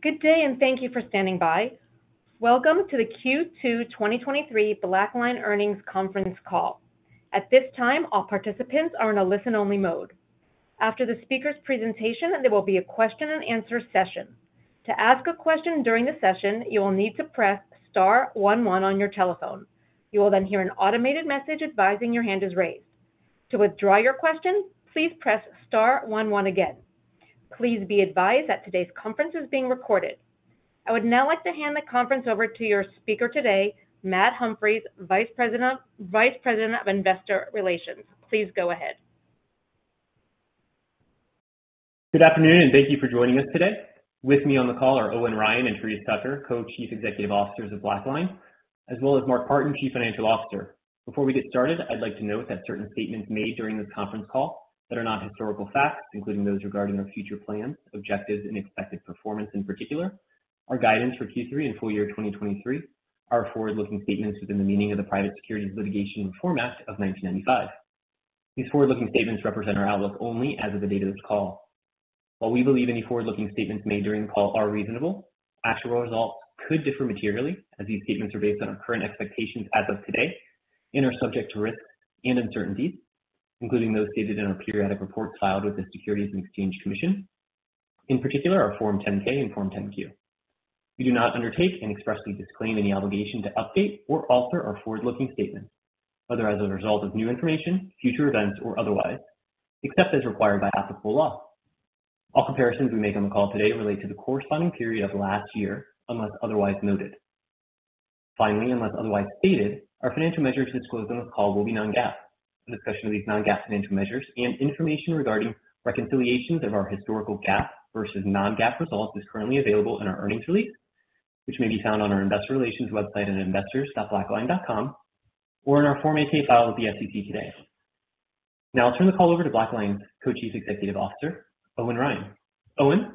Good day, thank you for standing by. Welcome to the Q2 2023 BlackLine Earnings Conference Call. At this time, all participants are in a listen-only mode. After the speaker's presentation, there will be a question and answer session. To ask a question during the session, you will need to press star one one on your telephone. You will then hear an automated message advising your hand is raised. To withdraw your question, please press star one one again. Please be advised that today's conference is being recorded. I would now like to hand the conference over to your speaker today, Matt Humphries, Vice President of Investor Relations. Please go ahead. Good afternoon, and thank you for joining us today. With me on the call are Owen Ryan and Therese Tucker, Co-Chief Executive Officers of BlackLine, as well as Mark Partin, Chief Financial Officer. Before we get started, I'd like to note that certain statements made during this conference call that are not historical facts, including those regarding our future plans, objectives, and expected performance, in particular, our guidance for Q3 and full year 2023, are forward-looking statements within the meaning of the Private Securities Litigation Reform Act of 1995. These forward-looking statements represent our outlook only as of the date of this call. While we believe any forward-looking statements made during the call are reasonable, actual results could differ materially as these statements are based on our current expectations as of today and are subject to risks and uncertainties, including those stated in our periodic reports filed with the Securities and Exchange Commission, in particular, our Form 10-K and Form 10-Q. We do not undertake and expressly disclaim any obligation to update or alter our forward-looking statements, whether as a result of new information, future events, or otherwise, except as required by applicable law. All comparisons we make on the call today relate to the corresponding period of last year, unless otherwise noted. Finally, unless otherwise stated, our financial measures disclosed on this call will be non-GAAP. A discussion of these non-GAAP financial measures and information regarding reconciliations of our historical GAAP versus non-GAAP results is currently available in our earnings release, which may be found on our investor relations website at investors.blackline.com or in our Form 8-K filed with the SEC today. Now I'll turn the call over to BlackLine Co-Chief Executive Officer, Owen Ryan. Owen?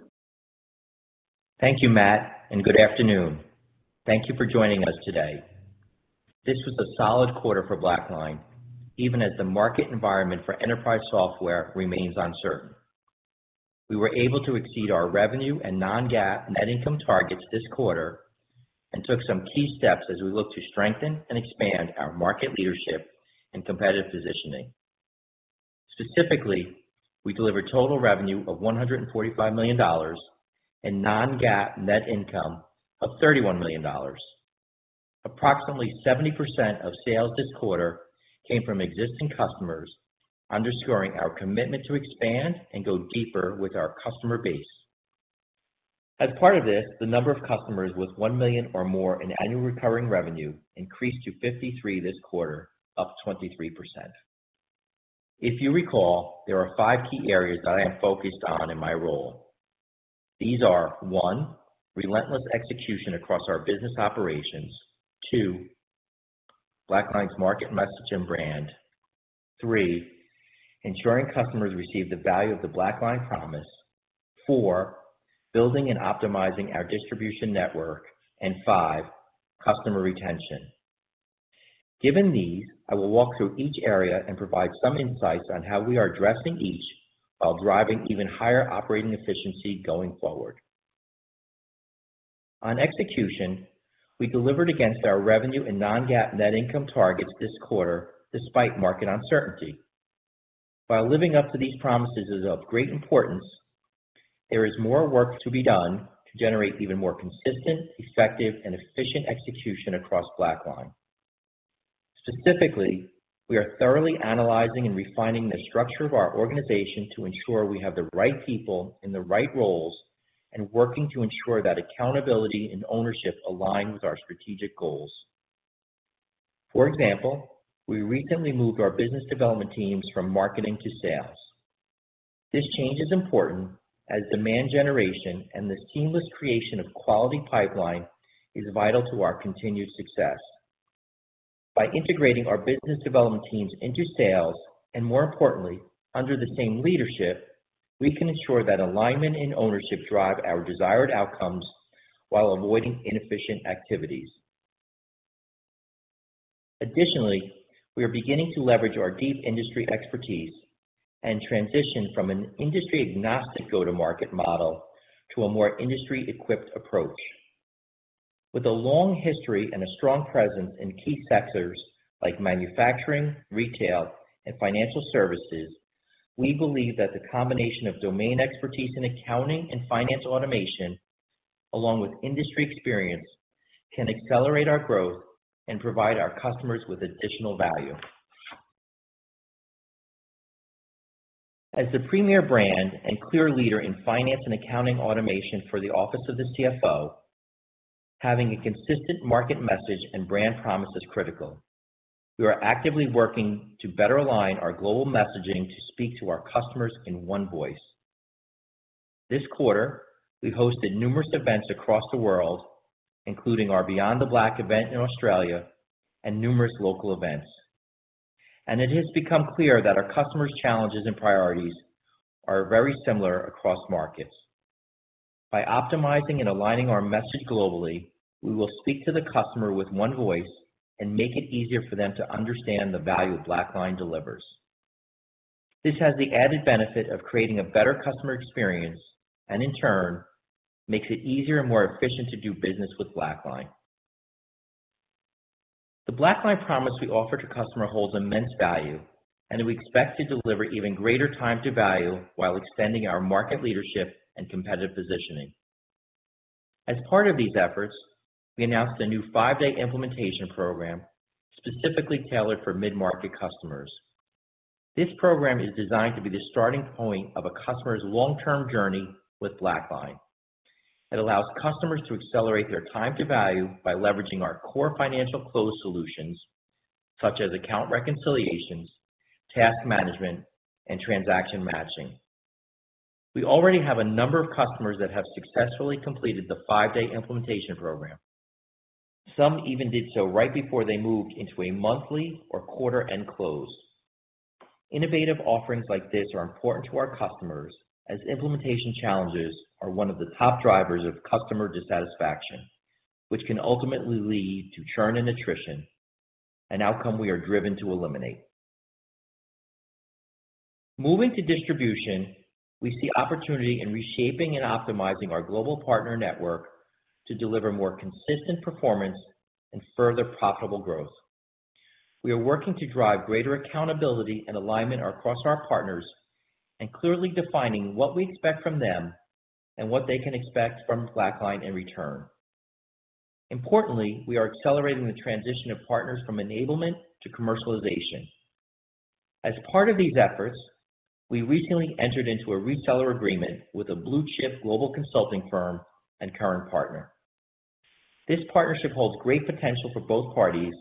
Thank you, Matt, and good afternoon. Thank you for joining us today. This was a solid quarter for BlackLine, even as the market environment for enterprise software remains uncertain. We were able to exceed our revenue and non-GAAP net income targets this quarter and took some key steps as we look to strengthen and expand our market leadership and competitive positioning. Specifically, we delivered total revenue of $145 million and non-GAAP net income of $31 million. Approximately 70% of sales this quarter came from existing customers, underscoring our commitment to expand and go deeper with our customer base. As part of this, the number of customers with $1 million or more in annual recurring revenue increased to 53 this quarter, up 23%. If you recall, there are five key areas that I am focused on in my role. These are: One, relentless execution across our business operations. Two, BlackLine's market message and brand. Three, ensuring customers receive the value of the BlackLine promise. Four, building and optimizing our distribution network, five, customer retention. Given these, I will walk through each area and provide some insights on how we are addressing each while driving even higher operating efficiency going forward. On execution, we delivered against our revenue and non-GAAP net income targets this quarter, despite market uncertainty. While living up to these promises is of great importance, there is more work to be done to generate even more consistent, effective, and efficient execution across BlackLine. Specifically, we are thoroughly analyzing and refining the structure of our organization to ensure we have the right people in the right roles and working to ensure that accountability and ownership align with our strategic goals. For example, we recently moved our business development teams from marketing to sales. This change is important as demand generation and the seamless creation of quality pipeline is vital to our continued success. By integrating our business development teams into sales, and more importantly, under the same leadership, we can ensure that alignment and ownership drive our desired outcomes while avoiding inefficient activities. Additionally, we are beginning to leverage our deep industry expertise and transition from an industry-agnostic go-to-market model to a more industry-equipped approach. With a long history and a strong presence in key sectors like manufacturing, retail, and financial services, we believe that the combination of domain expertise in accounting and financial automation, along with industry experience, can accelerate our growth and provide our customers with additional value. As the premier brand and clear leader in finance and accounting automation for the office of the CFO, having a consistent market message and brand promise is critical. We are actively working to better align our global messaging to speak to our customers in one voice. This quarter, we hosted numerous events across the world, including our BeyondTheBlack event in Australia and numerous local events. It has become clear that our customers' challenges and priorities are very similar across markets. By optimizing and aligning our message globally, we will speak to the customer with one voice and make it easier for them to understand the value BlackLine delivers. This has the added benefit of creating a better customer experience, and in turn, makes it easier and more efficient to do business with BlackLine. The BlackLine promise we offer to customer holds immense value, and we expect to deliver even greater time to value while extending our market leadership and competitive positioning. As part of these efforts, we announced a new five-day implementation program specifically tailored for mid-market customers. This program is designed to be the starting point of a customer's long-term journey with BlackLine. It allows customers to accelerate their time to value by leveraging our core financial close solutions, such as Account Reconciliations, Task Management, and Transaction Matching. We already have a number of customers that have successfully completed the five-day implementation program. Some even did so right before they moved into a monthly or quarter-end close. Innovative offerings like this are important to our customers, as implementation challenges are one of the top drivers of customer dissatisfaction, which can ultimately lead to churn and attrition, an outcome we are driven to eliminate. Moving to distribution, we see opportunity in reshaping and optimizing our global partner network to deliver more consistent performance and further profitable growth. We are working to drive greater accountability and alignment across our partners, and clearly defining what we expect from them and what they can expect from BlackLine in return. Importantly, we are accelerating the transition of partners from enablement to commercialization. As part of these efforts, we recently entered into a reseller agreement with a blue-chip global consulting firm and current partner. This partnership holds great potential for both parties,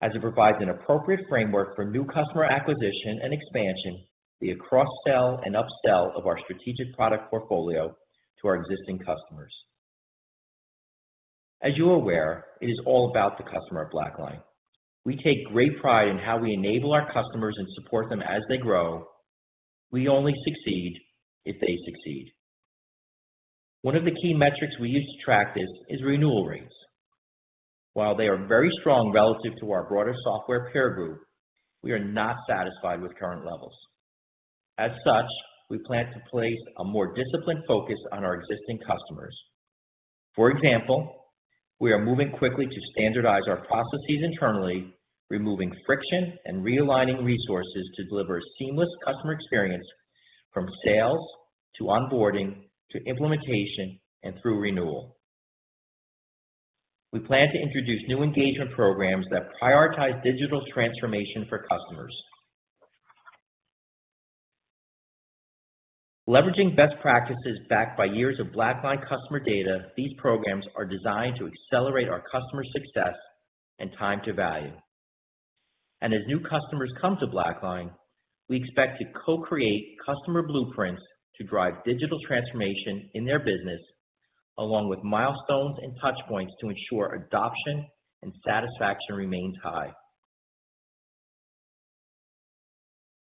as it provides an appropriate framework for new customer acquisition and expansion via cross-sell and up-sell of our strategic product portfolio to our existing customers. As you are aware, it is all about the customer at BlackLine. We take great pride in how we enable our customers and support them as they grow. We only succeed if they succeed. One of the key metrics we use to track this is renewal rates. While they are very strong relative to our broader software peer group, we are not satisfied with current levels. As such, we plan to place a more disciplined focus on our existing customers. For example, we are moving quickly to standardize our processes internally, removing friction and realigning resources to deliver a seamless customer experience from sales to onboarding, to implementation and through renewal. We plan to introduce new engagement programs that prioritize digital transformation for customers. Leveraging best practices backed by years of BlackLine customer data, these programs are designed to accelerate our customer success and time to value. As new customers come to BlackLine, we expect to co-create customer blueprints to drive digital transformation in their business, along with milestones and touch points to ensure adoption and satisfaction remains high.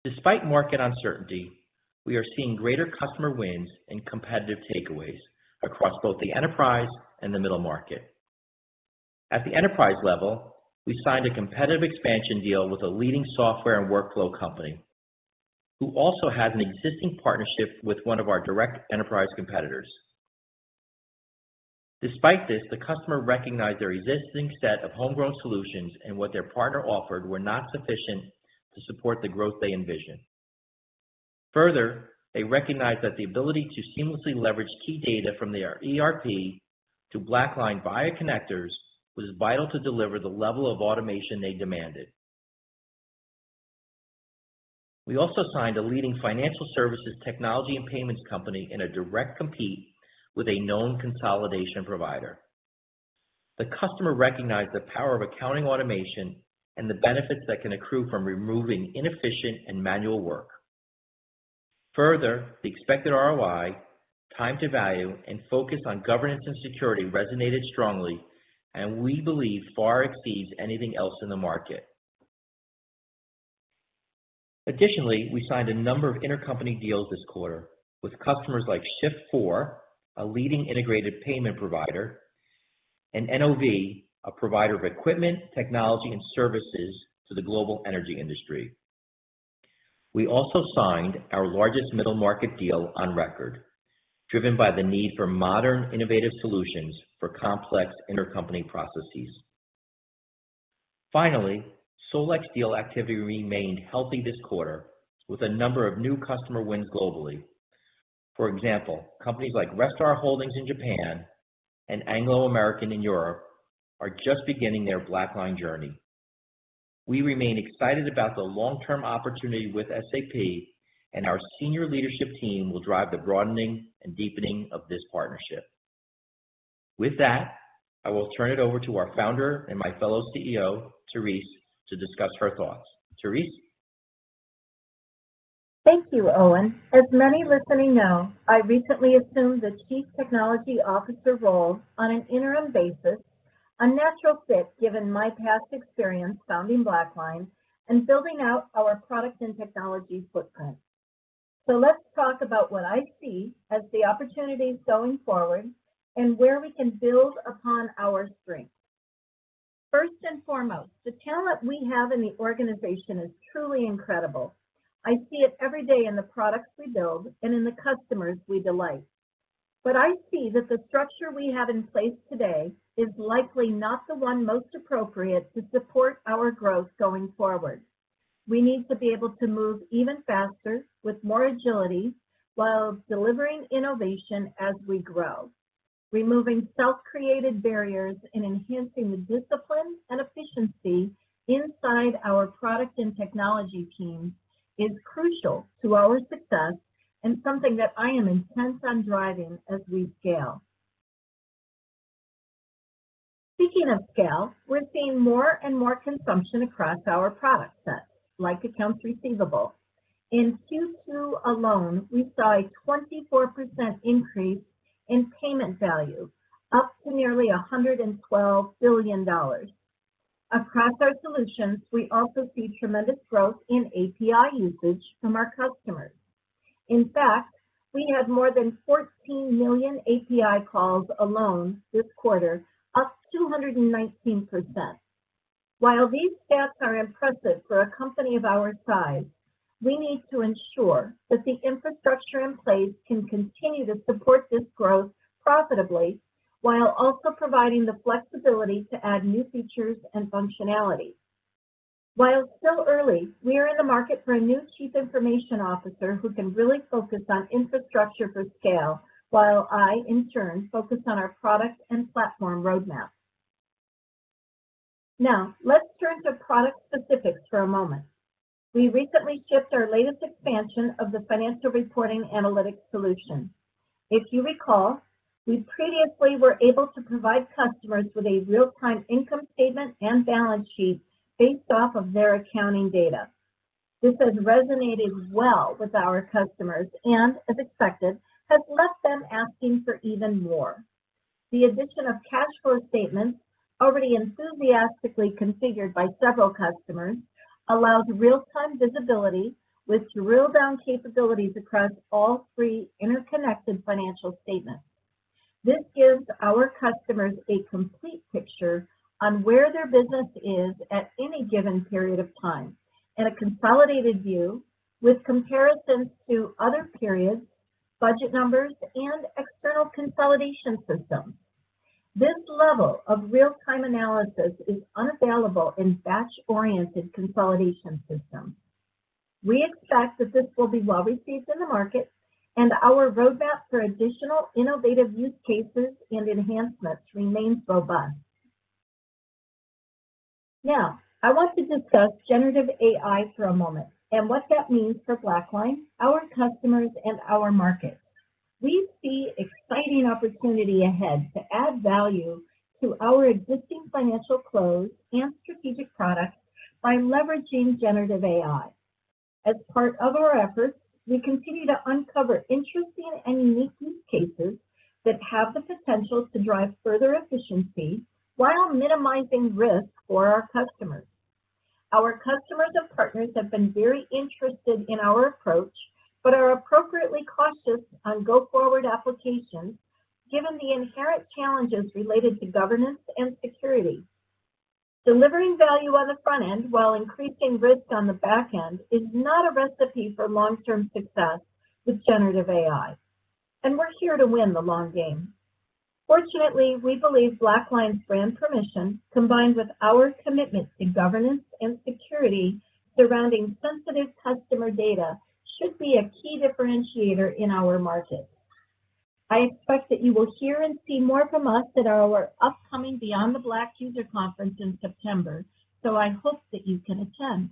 Despite market uncertainty, we are seeing greater customer wins and competitive takeaways across both the enterprise and the middle market. At the enterprise level, we signed a competitive expansion deal with a leading software and workflow company, who also had an existing partnership with one of our direct enterprise competitors. Despite this, the customer recognized their existing set of homegrown solutions and what their partner offered were not sufficient to support the growth they envisioned. Further, they recognized that the ability to seamlessly leverage key data from their ERP to BlackLine via connectors was vital to deliver the level of automation they demanded. We also signed a leading financial services, technology, and payments company in a direct compete with a known consolidation provider. The customer recognized the power of accounting automation and the benefits that can accrue from removing inefficient and manual work. Further, the expected ROI, time to value, and focus on governance and security resonated strongly, and we believe far exceeds anything else in the market. Additionally, we signed a number of intercompany deals this quarter with customers like Shift4, a leading integrated payment provider, and NOV, a provider of equipment, technology, and services to the global energy industry. We also signed our largest middle market deal on record, driven by the need for modern, innovative solutions for complex intercompany processes. SolEx deal activity remained healthy this quarter, with a number of new customer wins globally. For example, companies like Restar Holdings in Japan and Anglo American in Europe are just beginning their BlackLine journey. We remain excited about the long-term opportunity with SAP. Our senior leadership team will drive the broadening and deepening of this partnership. With that, I will turn it over to our founder and my fellow CEO, Therese, to discuss her thoughts. Therese? Thank you, Owen. As many listening know, I recently assumed the chief technology officer role on an interim basis, a natural fit, given my past experience founding BlackLine and building out our product and technology footprint. Let's talk about what I see as the opportunities going forward and where we can build upon our strength. First and foremost, the talent we have in the organization is truly incredible. I see it every day in the products we build and in the customers we delight. I see that the structure we have in place today is likely not the one most appropriate to support our growth going forward. We need to be able to move even faster with more agility, while delivering innovation as we grow. Removing self-created barriers and enhancing the discipline and efficiency inside our product and technology teams is crucial to our success and something that I am intense on driving as we scale. Speaking of scale, we're seeing more and more consumption across our product sets, like Accounts Receivable. In Q2 alone, we saw a 24% increase in payment value, up to nearly $112 billion. Across our solutions, we also see tremendous growth in API usage from our customers. In fact, we had more than 14 million API calls alone this quarter, up 219%. While these stats are impressive for a company of our size, we need to ensure that the infrastructure in place can continue to support this growth profitably, while also providing the flexibility to add new features and functionalities. While it's still early, we are in the market for a new chief information officer who can really focus on infrastructure for scale, while I, in turn, focus on our product and platform roadmap. Let's turn to product specifics for a moment. We recently shipped our latest expansion of the Financial Reporting Analytics solution. If you recall, we previously were able to provide customers with a real-time income statement and balance sheet based off of their accounting data. This has resonated well with our customers, and as expected, has left them asking for even more. The addition of cash flow statements, already enthusiastically configured by several customers, allows real-time visibility with drill-down capabilities across all three interconnected financial statements. This gives our customers a complete picture on where their business is at any given period of time, in a consolidated view, with comparisons to other periods, budget numbers, and external consolidation systems. This level of real-time analysis is unavailable in batch-oriented consolidation systems. We expect that this will be well received in the market, and our roadmap for additional innovative use cases and enhancements remains robust. Now, I want to discuss generative AI for a moment and what that means for BlackLine, our customers, and our market. We see exciting opportunity ahead to add value to our existing financial close and strategic products by leveraging generative AI. As part of our efforts, we continue to uncover interesting and unique use cases that have the potential to drive further efficiency while minimizing risk for our customers. Our customers and partners have been very interested in our approach, but are appropriately cautious on go-forward applications, given the inherent challenges related to governance and security. Delivering value on the front end while increasing risk on the back end is not a recipe for long-term success with generative AI. We're here to win the long game. Fortunately, we believe BlackLine's brand permission, combined with our commitment to governance and security surrounding sensitive customer data, should be a key differentiator in our market. I expect that you will hear and see more from us at our upcoming BeyondTheBlack user conference in September. I hope that you can attend.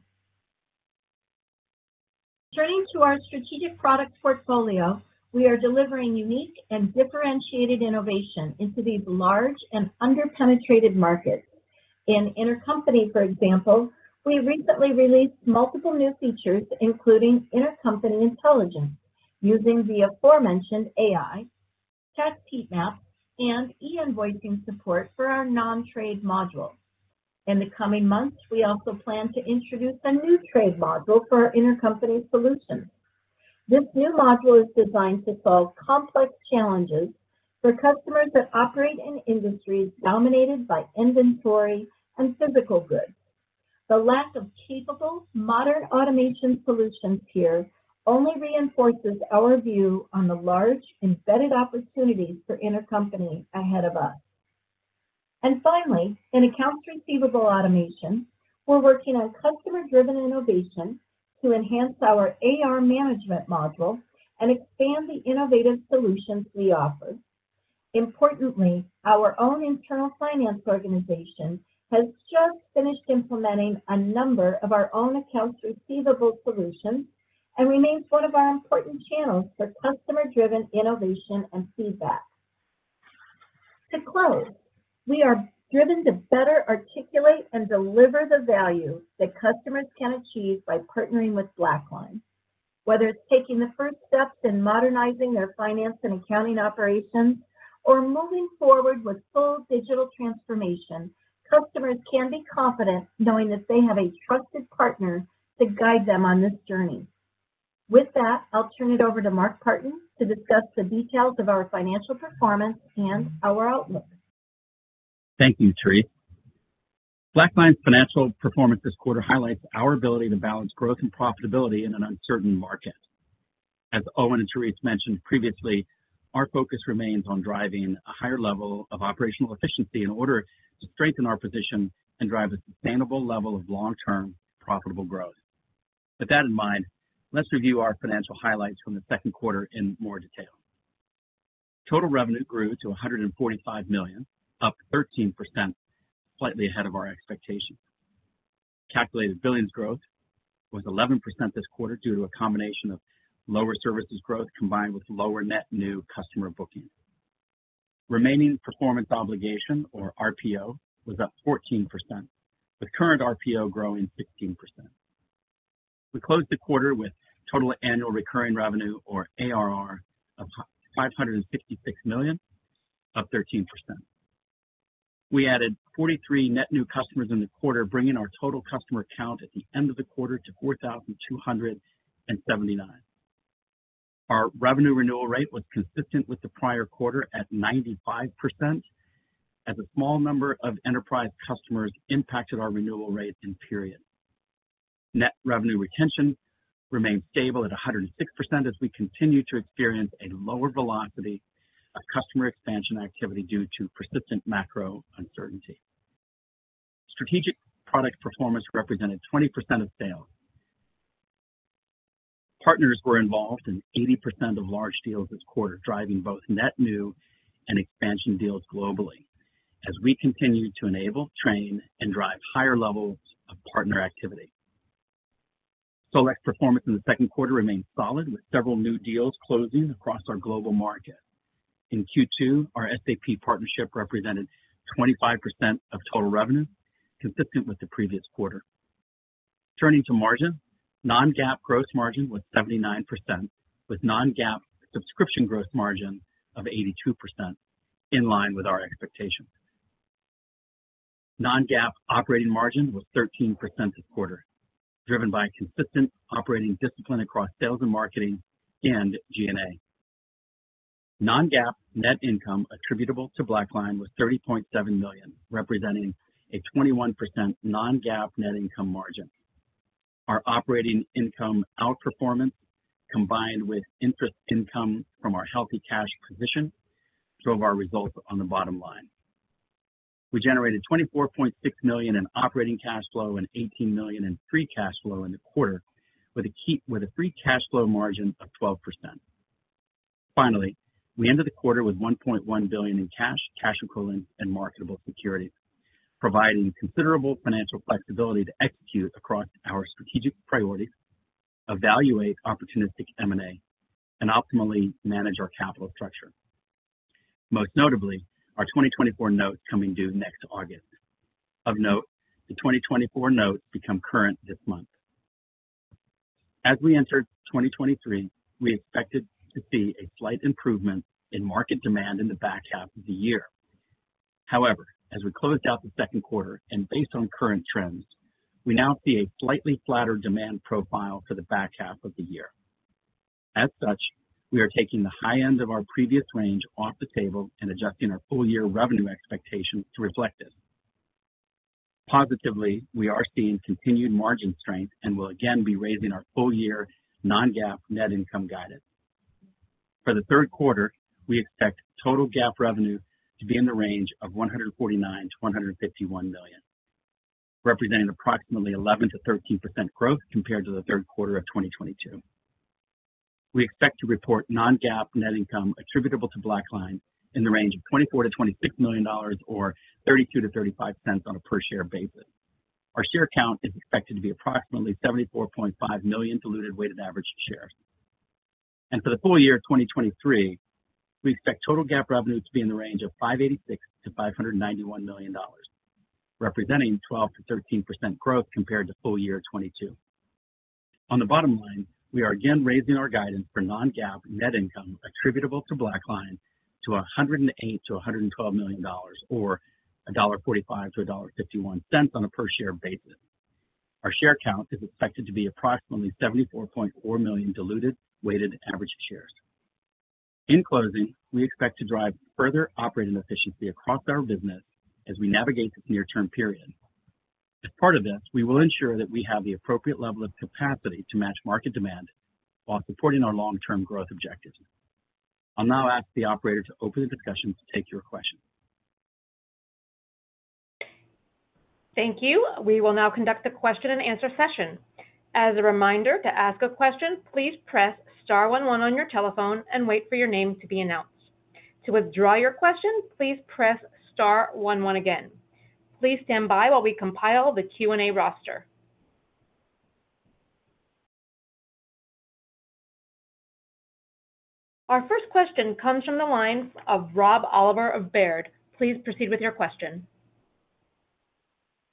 Turning to our strategic product portfolio, we are delivering unique and differentiated innovation into these large and underpenetrated markets. In intercompany, for example, we recently released multiple new features, including Intercompany Intelligence, using the aforementioned AI, Task Heat Map, and e-invoicing support for our Non-Trade module. In the coming months, we also plan to introduce a new Trade module for our intercompany solution. This new module is designed to solve complex challenges for customers that operate in industries dominated by inventory and physical goods. The lack of capable, modern automation solutions here only reinforces our view on the large embedded opportunities for intercompany ahead of us. Finally, in Accounts receivable automation, we're working on customer-driven innovation to enhance our AR management module and expand the innovative solutions we offer. Importantly, our own internal finance organization has just finished implementing a number of our own Accounts Receivable solutions and remains one of our important channels for customer-driven innovation and feedback. To close, we are driven to better articulate and deliver the value that customers can achieve by partnering with BlackLine. Whether it's taking the first steps in modernizing their finance and accounting operations or moving forward with full digital transformation, customers can be confident knowing that they have a trusted partner to guide them on this journey. With that, I'll turn it over to Mark Partin to discuss the details of our financial performance and our outlook. Thank you, Therese. BlackLine's financial performance this quarter highlights our ability to balance growth and profitability in an uncertain market. As Owen and Therese mentioned previously, our focus remains on driving a higher level of operational efficiency in order to strengthen our position and drive a sustainable level of long-term profitable growth. With that in mind, let's review our financial highlights from the second quarter in more detail. Total revenue grew to $145 million, up 13%, slightly ahead of our expectations. Calculated billings growth was 11% this quarter due to a combination of lower services growth combined with lower net new customer bookings. Remaining performance obligation, or RPO, was up 14%, with current RPO growing 15%. We closed the quarter with total annual recurring revenue, or ARR, of $566 million, up 13%. We added 43 net new customers in the quarter, bringing our total customer count at the end of the quarter to 4,279. Our revenue renewal rate was consistent with the prior quarter at 95%, as a small number of enterprise customers impacted our renewal rate in period. Net revenue retention remained stable at 106% as we continue to experience a lower velocity of customer expansion activity due to persistent macro uncertainty. Strategic product performance represented 20% of sales. Partners were involved in 80% of large deals this quarter, driving both net new and expansion deals globally, as we continue to enable, train, and drive higher levels of partner activity. SolEx performance in the second quarter remained solid, with several new deals closing across our global markets. In Q2, our SAP partnership represented 25% of total revenue, consistent with the previous quarter. Turning to margin, non-GAAP gross margin was 79%, with non-GAAP subscription growth margin of 82%, in line with our expectations. Non-GAAP operating margin was 13% this quarter, driven by consistent operating discipline across sales and marketing and G&A. Non-GAAP net income attributable to BlackLine was $30.7 million, representing a 21% non-GAAP net income margin. Our operating income outperformance, combined with interest income from our healthy cash position, drove our results on the bottom line. We generated $24.6 million in operating cash flow and $18 million in free cash flow in the quarter, with a free cash flow margin of 12%. Finally, we ended the quarter with $1.1 billion in cash, cash equivalents, and marketable securities, providing considerable financial flexibility to execute across our strategic priorities, evaluate opportunistic M&A, and optimally manage our capital structure. Most notably, our 2024 Notes coming due next August. Of note, the 2024 Notes become current this month. As we enter 2023, we expected to see a slight improvement in market demand in the back half of the year. However, as we closed out the second quarter, and based on current trends, we now see a slightly flatter demand profile for the back half of the year. As such, we are taking the high end of our previous range off the table and adjusting our full-year revenue expectations to reflect this. Positively, we are seeing continued margin strength and will again be raising our full-year non-GAAP net income guidance. For the third quarter, we expect total GAAP revenue to be in the range of $149 million-$151 million, representing approximately 11%-13% growth compared to the third quarter of 2022. We expect to report non-GAAP net income attributable to BlackLine in the range of $24 million-$26 million, or $0.32-$0.35 on a per share basis. Our share count is expected to be approximately 74.5 million diluted weighted average shares. For the full year of 2023, we expect total GAAP revenue to be in the range of $586 million-$591 million, representing 12%-13% growth compared to full year 2022. On the bottom line, we are again raising our guidance for non-GAAP net income attributable to BlackLine to $108 million-$112 million, or $1.45-$1.51 on a per share basis. Our share count is expected to be approximately 74.4 million diluted weighted average shares. In closing, we expect to drive further operating efficiency across our business as we navigate this near-term period. As part of this, we will ensure that we have the appropriate level of capacity to match market demand while supporting our long-term growth objectives. I'll now ask the operator to open the discussion to take your questions. Thank you. We will now conduct a question-and-answer session. As a reminder, to ask a question, please press star one one on your telephone and wait for your name to be announced. To withdraw your question, please press star one one again. Please stand by while we compile the Q&A roster. Our first question comes from the lines of Rob Oliver of Baird. Please proceed with your question.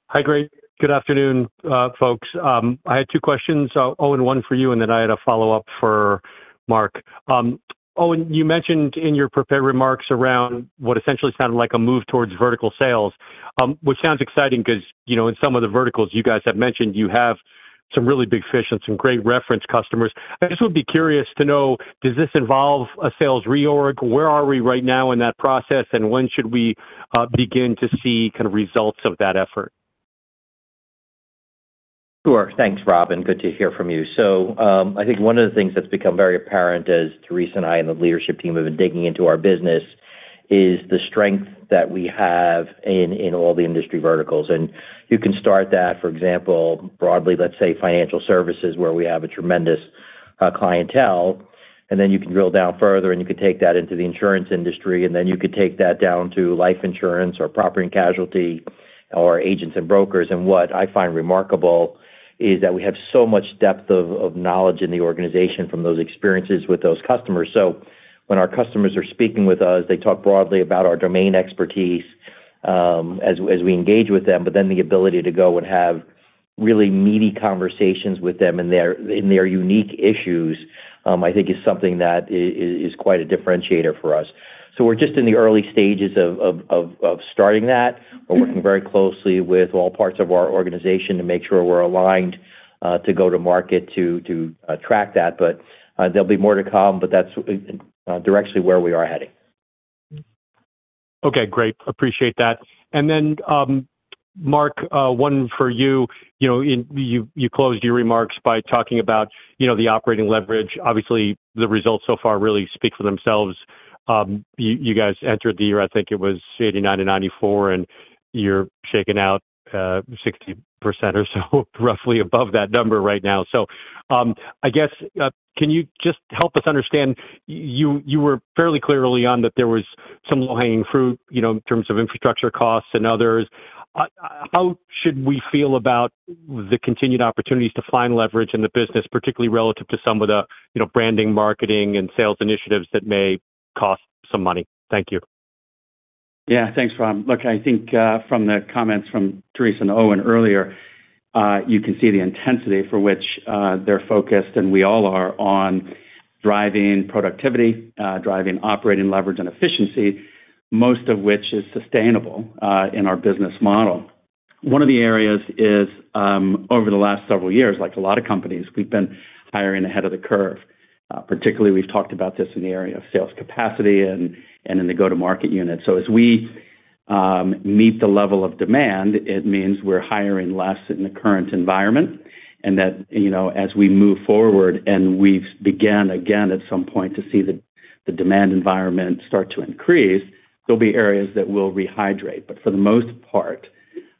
Hi, great. Good afternoon, folks. I had two questions. Owen, one for you, and then I had a follow-up for Mark. Owen, you mentioned in your prepared remarks around what essentially sounded like a move towards vertical sales, which sounds exciting because, you know, in some of the verticals you guys have mentioned, you have some really big fish and some great reference customers. I just would be curious to know, does this involve a sales reorg? Where are we right now in that process, and when should we begin to see kind of results of that effort? Sure. Thanks, Rob. Good to hear from you. I think one of the things that's become very apparent as Therese and I and the leadership team have been digging into our business, is the strength that we have in, in all the industry verticals. You can start that, for example, broadly, let's say, financial services, where we have a tremendous clientele, and then you can drill down further, and you can take that into the insurance industry, and then you could take that down to life insurance or property and casualty or agents and brokers. What I find remarkable is that we have so much depth of, of knowledge in the organization from those experiences with those customers. When our customers are speaking with us, they talk broadly about our domain expertise, as we, as we engage with them, but then the ability to go and have really meaty conversations with them in their, in their unique issues, I think is something that is, is quite a differentiator for us. We're just in the early stages of, of, of, of starting that. We're working very closely with all parts of our organization to make sure we're aligned to go to market, to, to attract that, but there'll be more to come, but that's directly where we are heading. Okay, great. Appreciate that. Mark, one for you. You know, you, you closed your remarks by talking about, you know, the operating leverage. Obviously, the results so far really speak for themselves. You, you guys entered the year, I think it was 89%-94%, and you're shaking out 60% or so, roughly above that number right now. I guess, can you just help us understand, you, you were fairly clear early on that there was some low-hanging fruit, you know, in terms of infrastructure costs and others. How should we feel about the continued opportunities to find leverage in the business, particularly relative to some of the, you know, branding, marketing, and sales initiatives that may cost some money? Thank you. Yeah, thanks, Rob. Look, I think, from the comments from Therese and Owen earlier, you can see the intensity for which, they're focused, and we all are, on driving productivity, driving operating leverage and efficiency, most of which is sustainable, in our business model. One of the areas is, over the last several years, like a lot of companies, we've been hiring ahead of the curve. Particularly, we've talked about this in the area of sales capacity and, and in the go-to-market unit. As we, meet the level of demand, it means we're hiring less in the current environment, and that, you know, as we move forward and we've began again, at some point to see the, the demand environment start to increase, there'll be areas that we'll rehydrate. For the most part,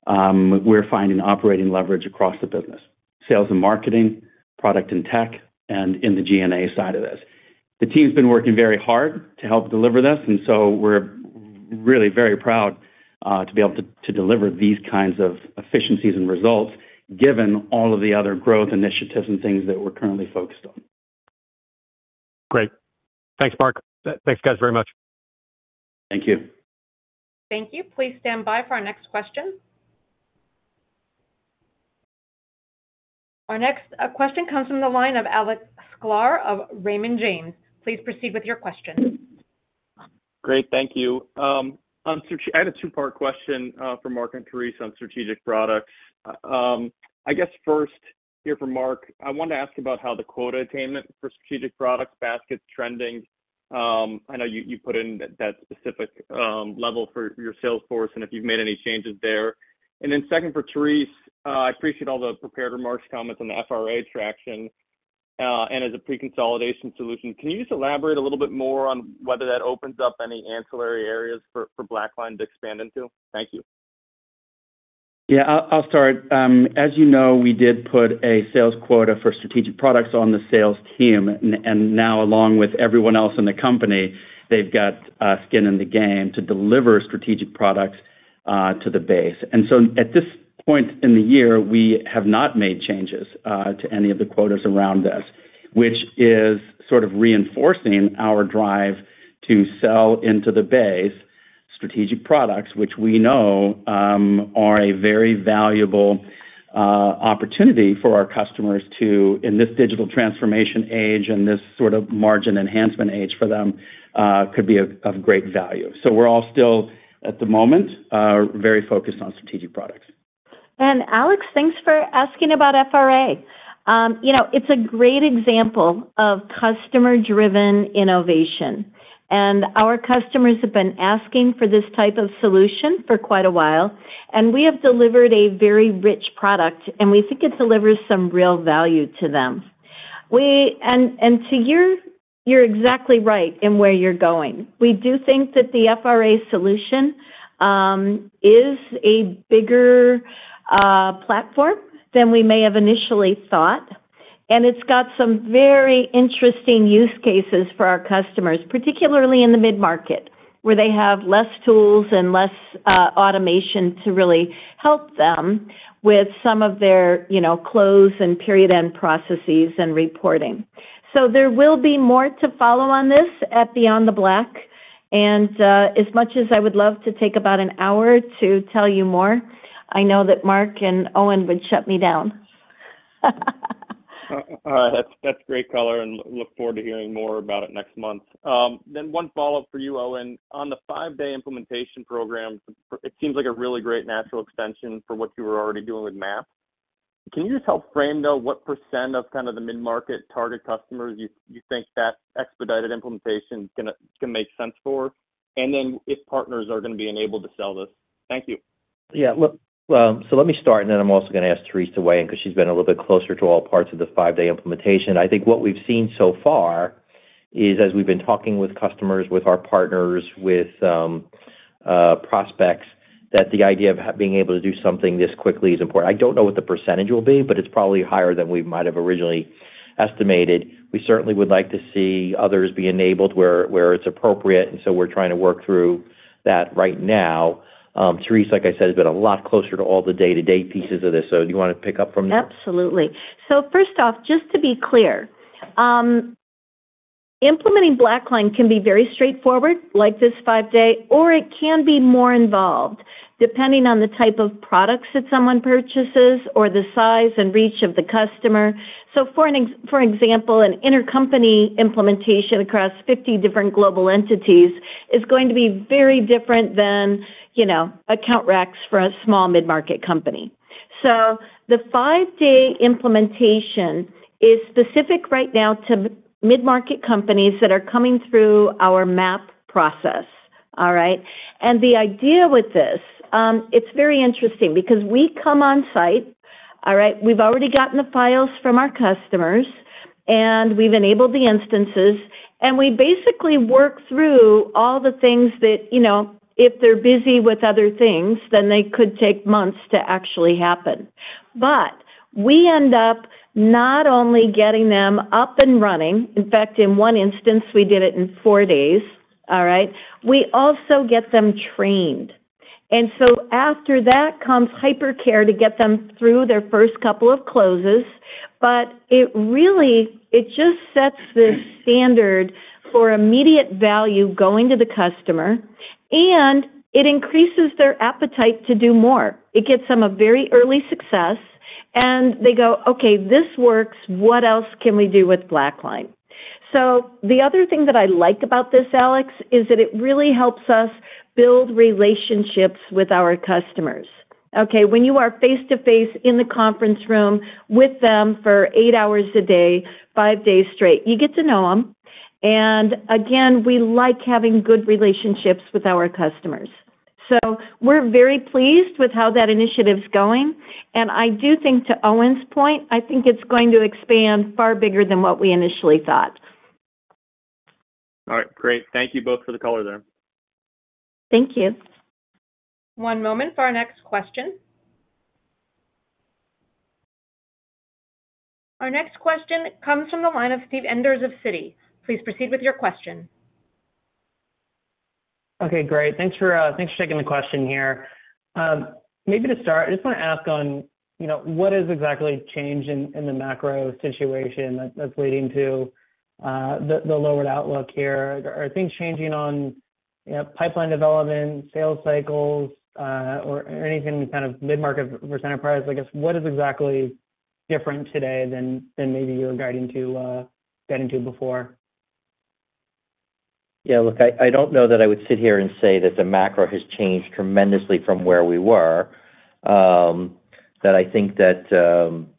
we're finding operating leverage across the business, sales and marketing, product and tech, and in the G&A side of this. The team's been working very hard to help deliver this, and so we're really very proud to be able to, to deliver these kinds of efficiencies and results, given all of the other growth initiatives and things that we're currently focused on. Great. Thanks, Mark. Thanks, guys, very much. Thank you. Thank you. Please stand by for our next question. Our next question comes from the line of Alex Sklar of Raymond James. Please proceed with your question. Great. Thank you. I had a two-part question for Mark and Therese on strategic products. I guess first, here for Mark, I wanted to ask about how the quota attainment for strategic products basket is trending. I know you, you put in that, that specific level for your sales force and if you've made any changes there. Then second, for Therese, I appreciate all the prepared remarks, comments on the FRA traction, and as a pre-consolidation solution. Can you just elaborate a little bit more on whether that opens up any ancillary areas for, for BlackLine to expand into? Thank you. Yeah. I-I'll start. As you know, we did put a sales quota for strategic products on the sales team, and now, along with everyone else in the company, they've got skin in the game to deliver strategic products to the base. At this point in the year, we have not made changes to any of the quotas around this, which is sort of reinforcing our drive to sell into the base strategic products, which we know, are a very valuable opportunity for our customers to, in this digital transformation age and this sort of margin enhancement age for them, could be of great value. We're all still, at the moment, very focused on strategic products. Alex, thanks for asking about FRA. You know, it's a great example of customer-driven innovation, and our customers have been asking for this type of solution for quite a while, and we have delivered a very rich product, and we think it delivers some real value to them. To you, you're exactly right in where you're going. We do think that the FRA solution is a bigger platform than we may have initially thought, and it's got some very interesting use cases for our customers, particularly in the mid-market, where they have less tools and less automation to really help them with some of their, you know, close and period end processes and reporting. There will be more to follow on this at BeyondTheBlack.... as much as I would love to take about an hour to tell you more, I know that Mark and Owen would shut me down. All right, that's, that's great color, and look forward to hearing more about it next month. One follow-up for you, Owen. On the five-day implementation program, it seems like a really great natural extension for what you were already doing with MAP. Can you just help frame, though, what percent of kind of the mid-market target customers you, you think that expedited implementation is gonna, gonna make sense for? Then, if partners are gonna be enabled to sell this. Thank you. Yeah. Look, let me start, and then I'm also gonna ask Therese to weigh in, 'cause she's been a little bit closer to all parts of the five-day implementation. I think what we've seen so far is, as we've been talking with customers, with our partners, with prospects, that the idea of being able to do something this quickly is important. I don't know what the percentage will be, but it's probably higher than we might have originally estimated. We certainly would like to see others be enabled where, where it's appropriate, and so we're trying to work through that right now. Therese, like I said, has been a lot closer to all the day-to-day pieces of this, do you wanna pick up from there? Absolutely. First off, just to be clear, implementing BlackLine can be very straightforward, like this five-day, or it can be more involved, depending on the type of products that someone purchases or the size and reach of the customer. For example, an intercompany implementation across 50 different global entities is going to be very different than, you know, account recs for a small mid-market company. The five-day implementation is specific right now to mid-market companies that are coming through our MAP process. All right? The idea with this, it's very interesting because we come on site, all right? We've already gotten the files from our customers, and we've enabled the instances, and we basically work through all the things that, you know, if they're busy with other things, then they could take months to actually happen. We end up not only getting them up and running, in fact, in one instance, we did it in four days, all right? We also get them trained. After that comes hypercare to get them through their first couple of closes, but it really, it just sets this standard for immediate value going to the customer, and it increases their appetite to do more. It gets them a very early success, and they go, "Okay, this works. What else can we do with BlackLine?" The other thing that I like about this, Alex, is that it really helps us build relationships with our customers. Okay, when you are face-to-face in the conference room with them for eight hours a day, five days straight, you get to know them. Again, we like having good relationships with our customers. We're very pleased with how that initiative's going, and I do think to Owen's point, I think it's going to expand far bigger than what we initially thought. All right, great. Thank you both for the color there. Thank you. One moment for our next question. Our next question comes from the line of Steve Enders of Citi. Please proceed with your question. Okay, great. Thanks for, thanks for taking the question here. Maybe to start, I just wanna ask on, you know, what has exactly changed in, in the macro situation that's, that's leading to, the, the lowered outlook here? Are things changing on, you know, pipeline development, sales cycles, or anything kind of mid-market versus enterprise? I guess, what is exactly different today than, than maybe you were guiding to, guiding to before? Yeah, look, I, I don't know that I would sit here and say that the macro has changed tremendously from where we were. I think that,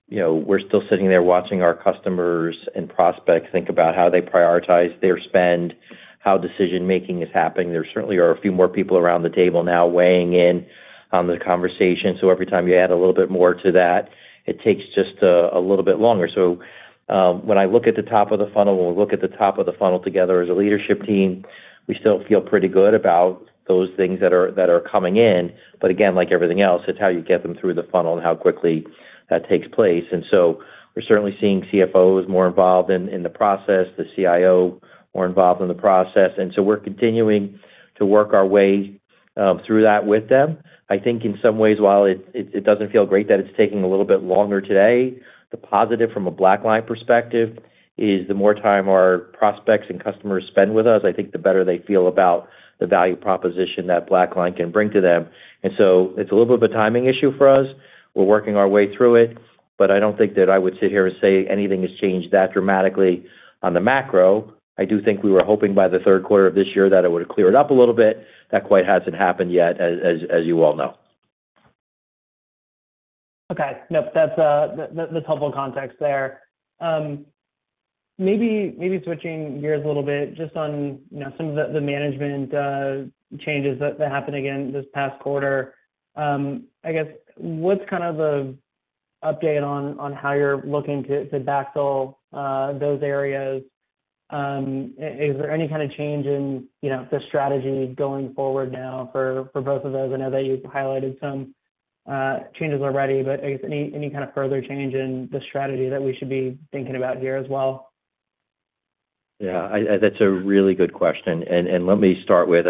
you know, we're still sitting there watching our customers and prospects think about how they prioritize their spend, how decision-making is happening. There certainly are a few more people around the table now weighing in on the conversation. Every time you add a little bit more to that, it takes just a little bit longer. When I look at the top of the funnel, when we look at the top of the funnel together as a leadership team, we still feel pretty good about those things that are coming in. Again, like everything else, it's how you get them through the funnel and how quickly that takes place. We're certainly seeing CFOs more involved in the process, the CIO more involved in the process. We're continuing to work our way through that with them. I think in some ways, while it, it, it doesn't feel great that it's taking a little bit longer today, the positive from a BlackLine perspective is the more time our prospects and customers spend with us, I think the better they feel about the value proposition that BlackLine can bring to them. It's a little bit of a timing issue for us. We're working our way through it. I don't think that I would sit here and say anything has changed that dramatically on the macro. I do think we were hoping by the third quarter of this year that it would have cleared up a little bit. That quite hasn't happened yet, as, as, as you all know. Okay. Nope, that's helpful context there. Maybe, maybe switching gears a little bit, just on, you know, some of the, the management changes that, that happened again this past quarter. I guess, what's kind of the update on, on how you're looking to, to backfill those areas? Is there any kind of change in, you know, the strategy going forward now for, for both of those? I know that you've highlighted some changes already, but I guess any, any kind of further change in the strategy that we should be thinking about here as well? Yeah, I, I... That's a really good question, and, and let me start with,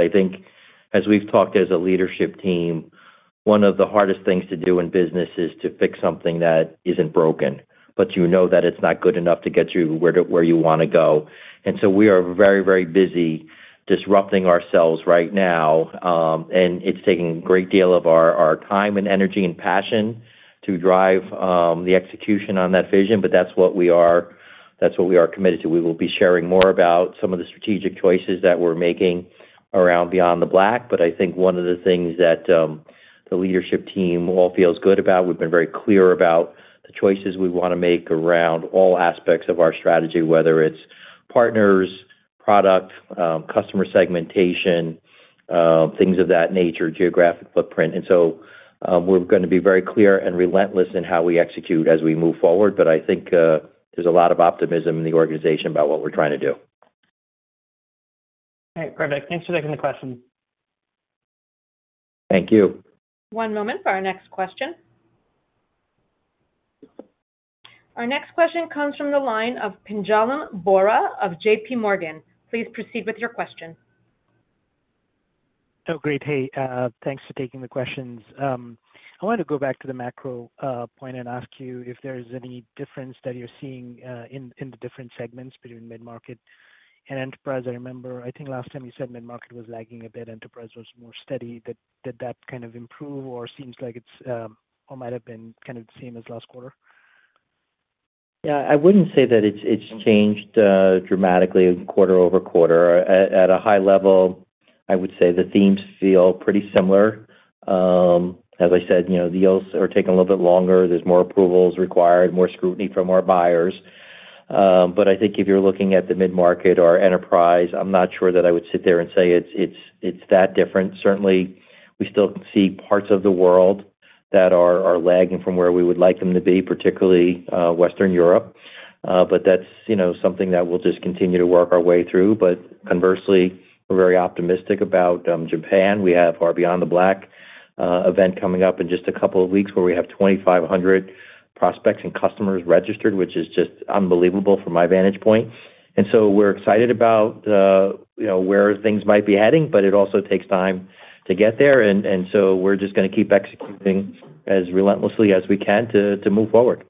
one of the hardest things to do in business is to fix something that isn't broken, but you know that it's not good enough to get you where you wanna go. We are very, very busy disrupting ourselves right now, and it's taking a great deal of our, our time and energy and passion to drive the execution on that vision. That's what we are, that's what we are committed to. We will be sharing more about some of the strategic choices that we're making around BeyondTheBlack. I think one of the things that the leadership team all feels good about, we've been very clear about the choices we want to make around all aspects of our strategy, whether it's partners, product, customer segmentation, things of that nature, geographic footprint. We're going to be very clear and relentless in how we execute as we move forward. I think there's a lot of optimism in the organization about what we're trying to do. All right, perfect. Thanks for taking the question. Thank you. One moment for our next question. Our next question comes from the line of Pinjalim Bora of JPMorgan. Please proceed with your question. Oh, great. Hey, thanks for taking the questions. I wanted to go back to the macro point and ask you if there's any difference that you're seeing in the different segments between mid-market and enterprise? I remember, I think last time you said mid-market was lagging a bit, enterprise was more steady. Did, did that kind of improve or seems like it's, or might have been kind of the same as last quarter? Yeah, I wouldn't say that it's, it's changed dramatically quarter-over-quarter. At, at a high level, I would say the themes feel pretty similar. As I said, you know, deals are taking a little bit longer. There's more approvals required, more scrutiny from our buyers. I think if you're looking at the mid-market or enterprise, I'm not sure that I would sit there and say it's, it's, it's that different. Certainly, we still see parts of the world that are, are lagging from where we would like them to be, particularly Western Europe. That's, you know, something that we'll just continue to work our way through. Conversely, we're very optimistic about Japan. We have our BeyondTheBlack event coming up in just a couple of weeks, where we have 2,500 prospects and customers registered, which is just unbelievable from my vantage point. So we're excited about, you know, where things might be heading, but it also takes time to get there. So we're just gonna keep executing as relentlessly as we can to move forward.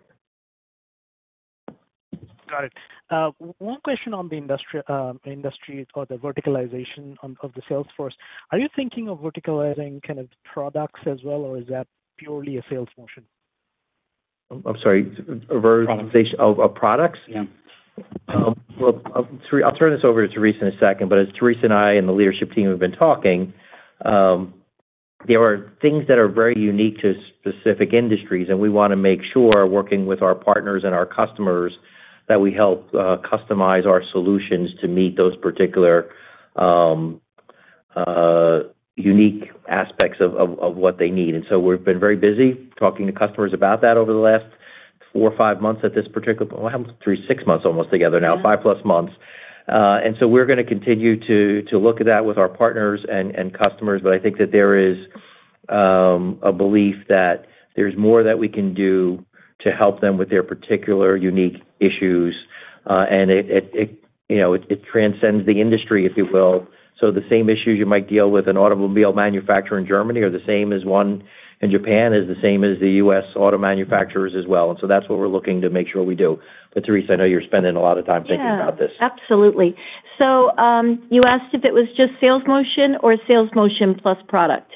Got it. One question on the industry, industry or the verticalization of the sales force. Are you thinking of verticalizing kind of products as well, or is that purely a sales motion? I'm sorry, a verticalization- Products. of products? Yeah. Well, I'll turn this over to Therese in a second, but as Therese and I and the leadership team have been talking, there are things that are very unique to specific industries, and we wanna make sure, working with our partners and our customers, that we help customize our solutions to meet those particular unique aspects of, of, of what they need. And so we've been very busy talking to customers about that over the last four or five months at this particular... Well, almost three, six months, almost together now, five plus months. And so we're gonna continue to, to look at that with our partners and, and customers. But I think that there is a belief that there's more that we can do to help them with their particular unique issues. It, it, it, you know, it, it transcends the industry, if you will. The same issues you might deal with an automobile manufacturer in Germany are the same as one in Japan, is the same as the U.S. auto manufacturers as well. That's what we're looking to make sure we do. Therese, I know you're spending a lot of time thinking about this. Yeah, absolutely. You asked if it was just sales motion or sales motion plus product,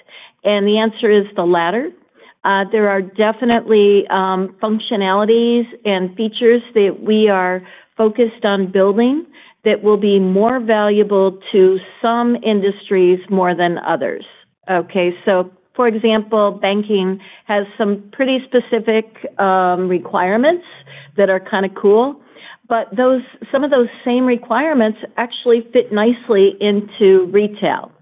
and the answer is the latter. There are definitely functionalities and features that we are focused on building that will be more valuable to some industries more than others, okay? For example, banking has some pretty specific requirements that are kind of cool, but some of those same requirements actually fit nicely into retail.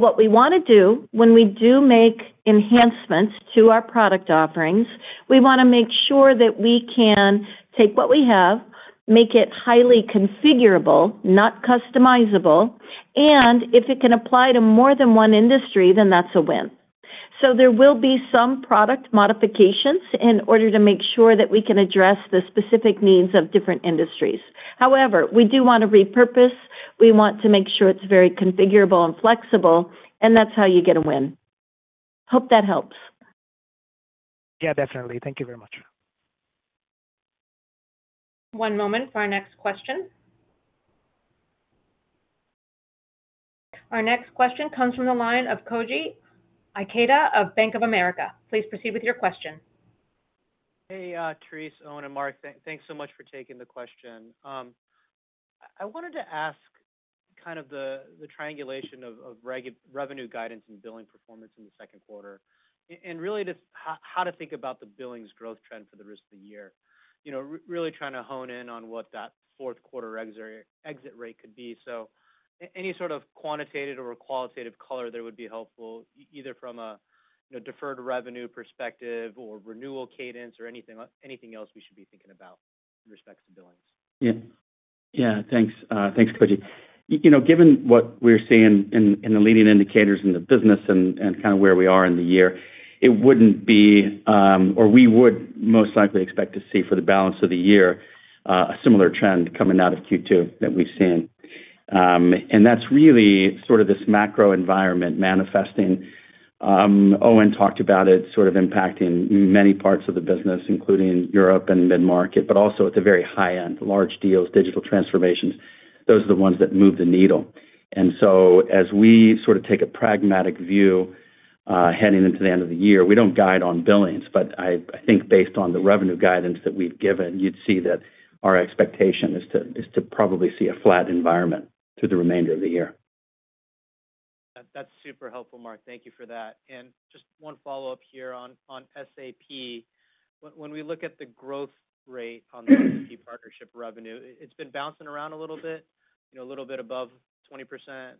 What we wanna do when we do make enhancements to our product offerings, we wanna make sure that we can take what we have, make it highly configurable, not customizable, and if it can apply to more than one industry, then that's a win. There will be some product modifications in order to make sure that we can address the specific needs of different industries. However, we do want to repurpose. We want to make sure it's very configurable and flexible, and that's how you get a win. Hope that helps. Yeah, definitely. Thank you very much. One moment for our next question. Our next question comes from the line of Koji Ikeda of Bank of America. Please proceed with your question. Hey, Therese, Owen, and Mark, thanks so much for taking the question. I wanted to ask kind of the triangulation of revenue guidance and billing performance in the second quarter, and really just how to think about the billings growth trend for the rest of the year. You know, really trying to hone in on what that fourth quarter exit rate, could be. Any sort of quantitative or qualitative color there would be helpful, either from a, you know, deferred revenue perspective or renewal cadence or anything else, anything else we should be thinking about in respects to billings? Yeah. Yeah, thanks. Thanks, Koji. You know, given what we're seeing in, in the leading indicators in the business and, and kind of where we are in the year, it wouldn't be. We would most likely expect to see for the balance of the year.... a similar trend coming out of Q2 that we've seen. That's really sort of this macro environment manifesting. Owen talked about it sort of impacting many parts of the business, including Europe and mid-market, but also at the very high end, large deals, digital transformations. Those are the ones that move the needle. As we sort of take a pragmatic view, heading into the end of the year, we don't guide on billings, but I, I think based on the revenue guidance that we've given, you'd see that our expectation is to, is to probably see a flat environment through the remainder of the year. That's super helpful, Mark. Thank you for that. Just one follow-up here on, on SAP. When we look at the growth rate on the SAP partnership revenue, it's been bouncing around a little bit, you know, a little bit above 20%,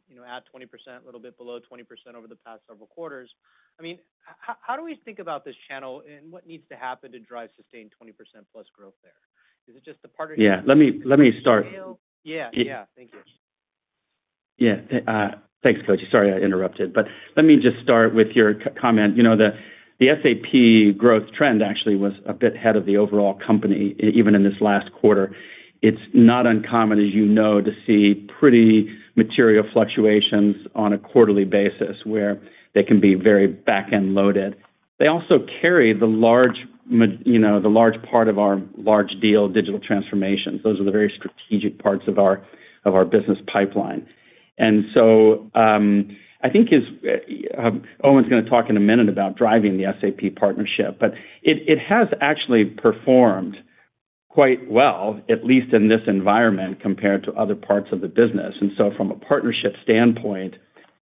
you know, at 20%, a little bit below 20% over the past several quarters. I mean, how do we think about this channel, and what needs to happen to drive sustained 20%+ growth there? Is it just the partnership- Yeah, let me, let me start. Yeah. Yeah. Thank you. Yeah, thanks, Koji. Sorry, I interrupted, but let me just start with your comment. You know, the, the SAP growth trend actually was a bit ahead of the overall company, even in this last quarter. It's not uncommon, as you know, to see pretty material fluctuations on a quarterly basis, where they can be very back-end loaded. They also carry the large, you know, the large part of our large deal, digital transformations. Those are the very strategic parts of our, of our business pipeline. I think, Owen's going to talk in a minute about driving the SAP partnership, but it, it has actually performed quite well, at least in this environment, compared to other parts of the business. So from a partnership standpoint,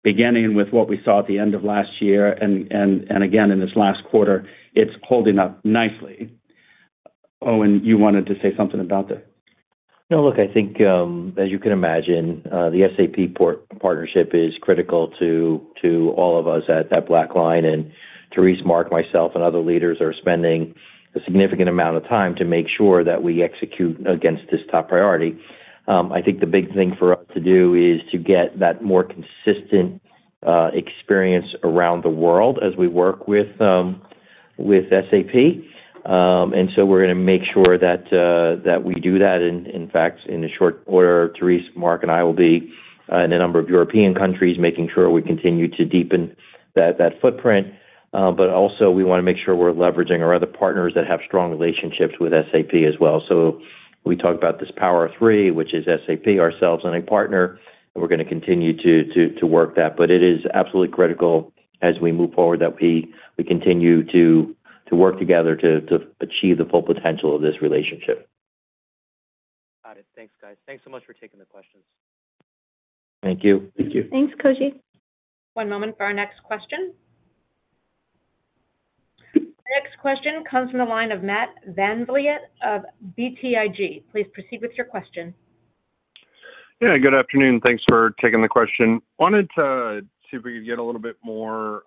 beginning with what we saw at the end of last year and again in this last quarter, it's holding up nicely. Owen, you wanted to say something about that? No, look, I think, as you can imagine, the SAP partnership is critical to, to all of us at, at BlackLine. Therese, Mark, myself, and other leaders are spending a significant amount of time to make sure that we execute against this top priority. I think the big thing for us to do is to get that more consistent experience around the world as we work with, with SAP. We're going to make sure that we do that. In, in fact, in the short order, Therese, Mark, and I will be, in a number of European countries, making sure we continue to deepen that, that footprint. Also, we want to make sure we're leveraging our other partners that have strong relationships with SAP as well. We talked about this Power of Three, which is SAP, ourselves, and a partner, and we're going to continue to work that. It is absolutely critical as we move forward, that we continue to work together to achieve the full potential of this relationship. Got it. Thanks, guys. Thanks so much for taking the questions. Thank you. Thank you. Thanks, Koji. One moment for our next question. The next question comes from the line of Matt VanVliet of BTIG. Please proceed with your question. Yeah, good afternoon. Thanks for taking the question. Wanted to see if we could get a little bit more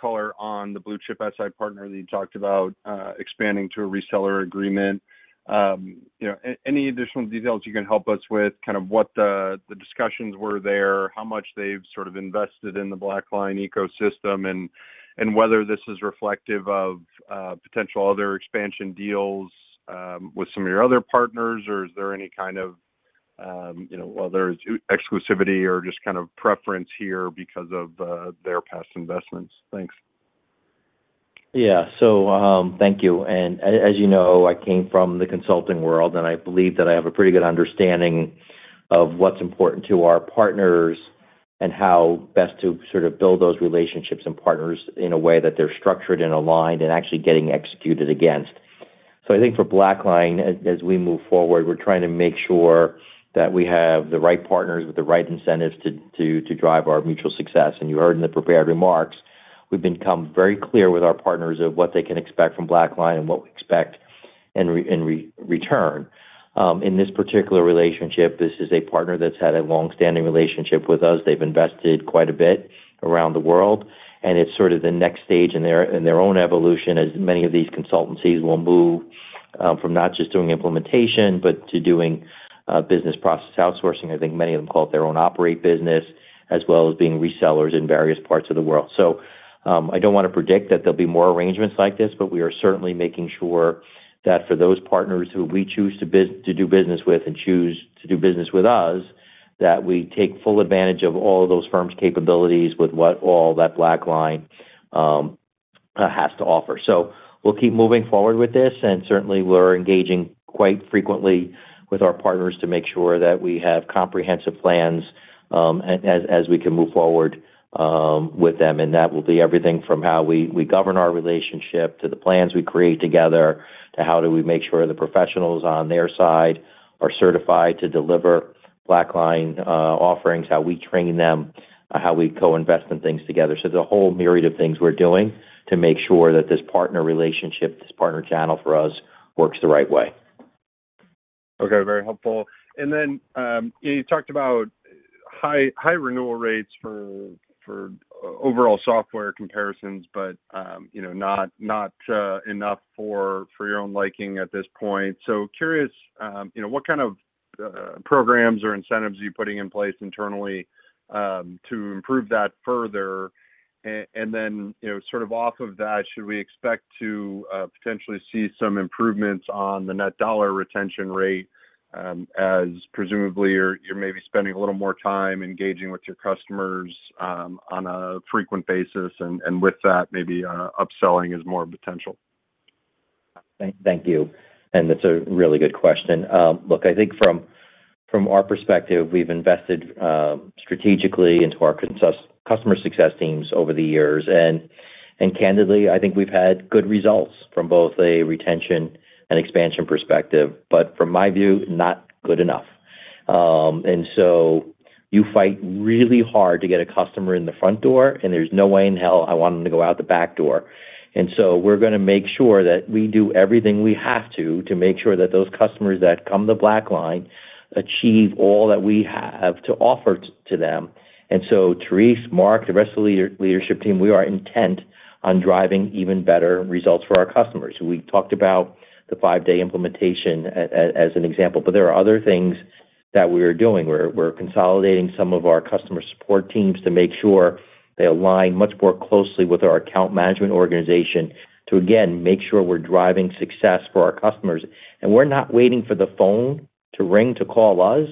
color on the Blue Chip SI partner that you talked about expanding to a reseller agreement. You know, any additional details you can help us with, kind of what the discussions were there, how much they've sort of invested in the BlackLine ecosystem, and whether this is reflective of potential other expansion deals with some of your other partners, or is there any kind of, you know, other exclusivity or just kind of preference here because of their past investments? Thanks. Yeah. Thank you. As you know, I came from the consulting world, and I believe that I have a pretty good understanding of what's important to our partners and how best to sort of build those relationships and partners in a way that they're structured and aligned and actually getting executed against. I think for BlackLine, as we move forward, we're trying to make sure that we have the right partners with the right incentives to, to, to drive our mutual success. You heard in the prepared remarks, we've become very clear with our partners of what they can expect from BlackLine and what we expect in return. In this particular relationship, this is a partner that's had a long-standing relationship with us. They've invested quite a bit around the world. It's sort of the next stage in their, in their own evolution, as many of these consultancies will move from not just doing implementation, but to doing business process outsourcing. I think many of them call it their own operate business, as well as being resellers in various parts of the world. I don't want to predict that there'll be more arrangements like this, but we are certainly making sure that for those partners who we choose to do business with and choose to do business with us, that we take full advantage of all of those firms' capabilities with what all that BlackLine has to offer. We'll keep moving forward with this, and certainly, we're engaging quite frequently with our partners to make sure that we have comprehensive plans, as we can move forward with them. That will be everything from how we, we govern our relationship, to the plans we create together, to how do we make sure the professionals on their side are certified to deliver BlackLine offerings, how we train them, how we co-invest in things together. There's a whole myriad of things we're doing to make sure that this partner relationship, this partner channel for us, works the right way. Okay, very helpful. You talked about high, high renewal rates for, for overall software comparisons, but, you know, not, not enough for, for your own liking at this point. Curious, you know, what kind of programs or incentives you're putting in place internally to improve that further? You know, sort of off of that, should we expect to potentially see some improvements on the Net Dollar Retention Rate, as presumably, you're, you're maybe spending a little more time engaging with your customers on a frequent basis, and with that, maybe upselling is more potential? Thank, thank you. That's a really good question. Look, I think from, from our perspective, we've invested strategically into our customer success teams over the years. Candidly, I think we've had good results from both a retention and expansion perspective, but from my view, not good enough. You fight really hard to get a customer in the front door, and there's no way in hell I want them to go out the back door. We're gonna make sure that we do everything we have to, to make sure that those customers that come to BlackLine achieve all that we have to offer to, to them. Therese, Mark, the rest of the leadership team, we are intent on driving even better results for our customers. We talked about the five-day implementation as an example, but there are other things that we're doing. We're, we're consolidating some of our customer support teams to make sure they align much more closely with our account management organization to, again, make sure we're driving success for our customers. We're not waiting for the phone to ring to call us.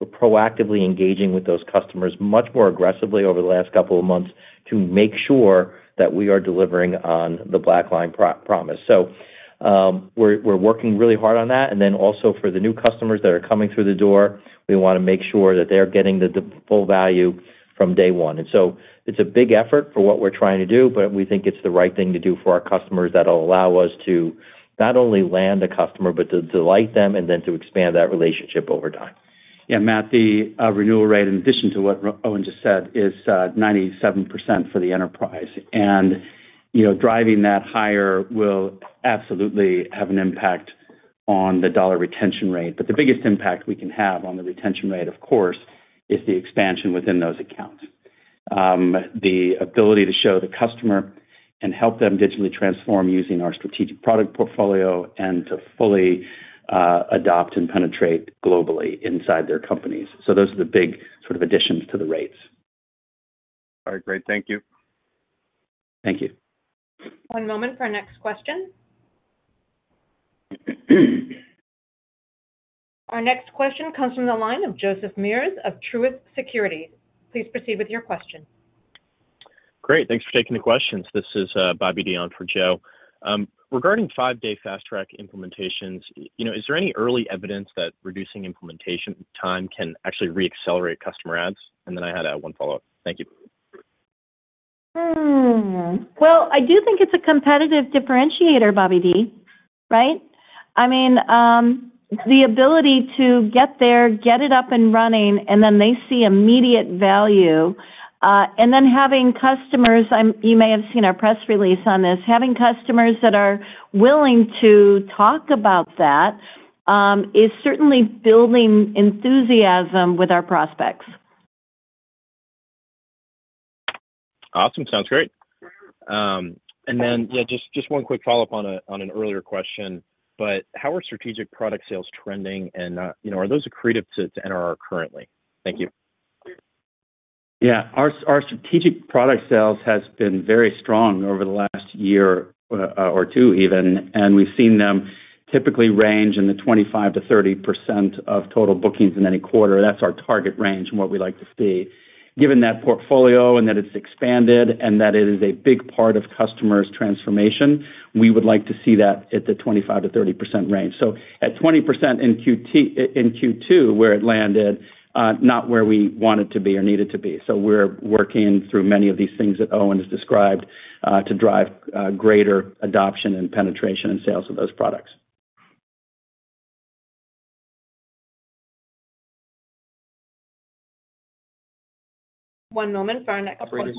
We're proactively engaging with those customers much more aggressively over the last couple of months to make sure that we are delivering on the BlackLine promise. We're, we're working really hard on that. Then also, for the new customers that are coming through the door, we wanna make sure that they're getting the, the full value from day one. It's a big effort for what we're trying to do, but we think it's the right thing to do for our customers that will allow us to not only land a customer, but to delight them and then to expand that relationship over time. Yeah, Matt, the renewal rate, in addition to what Owen just said, is 97% for the enterprise. You know, driving that higher will absolutely have an impact on the dollar retention rate. The biggest impact we can have on the retention rate, of course, is the expansion within those accounts. The ability to show the customer and help them digitally transform using our strategic product portfolio and to fully adopt and penetrate globally inside their companies. Those are the big sort of additions to the rates. All right, great. Thank you. Thank you. One moment for our next question. Our next question comes from the line of Joseph Meares of Truist Securities. Please proceed with your question. Great. Thanks for taking the questions. This is Bobby Dion for Joe. Regarding five-day fast-track implementations, you know, is there any early evidence that reducing implementation time can actually reaccelerate customer adds? I had one follow-up. Thank you. Well, I do think it's a competitive differentiator, Bobby D, right? I mean, the ability to get there, get it up and running, and then they see immediate value, and then having customers, you may have seen our press release on this, having customers that are willing to talk about that, is certainly building enthusiasm with our prospects. Awesome. Sounds great. Then, yeah, just, just one quick follow-up on an earlier question. How are strategic product sales trending? You know, are those accretive to NRR currently? Thank you. Yeah. Our strategic product sales has been very strong over the last year, or two even, and we've seen them typically range in the 25%-30% of total bookings in any quarter. That's our target range and what we like to see. Given that portfolio and that it's expanded and that it is a big part of customers' transformation, we would like to see that at the 25%-30% range. At 20% in Q2, where it landed, not where we want it to be or need it to be. We're working through many of these things that Owen has described, to drive greater adoption and penetration in sales of those products. One moment for our next question. Operator?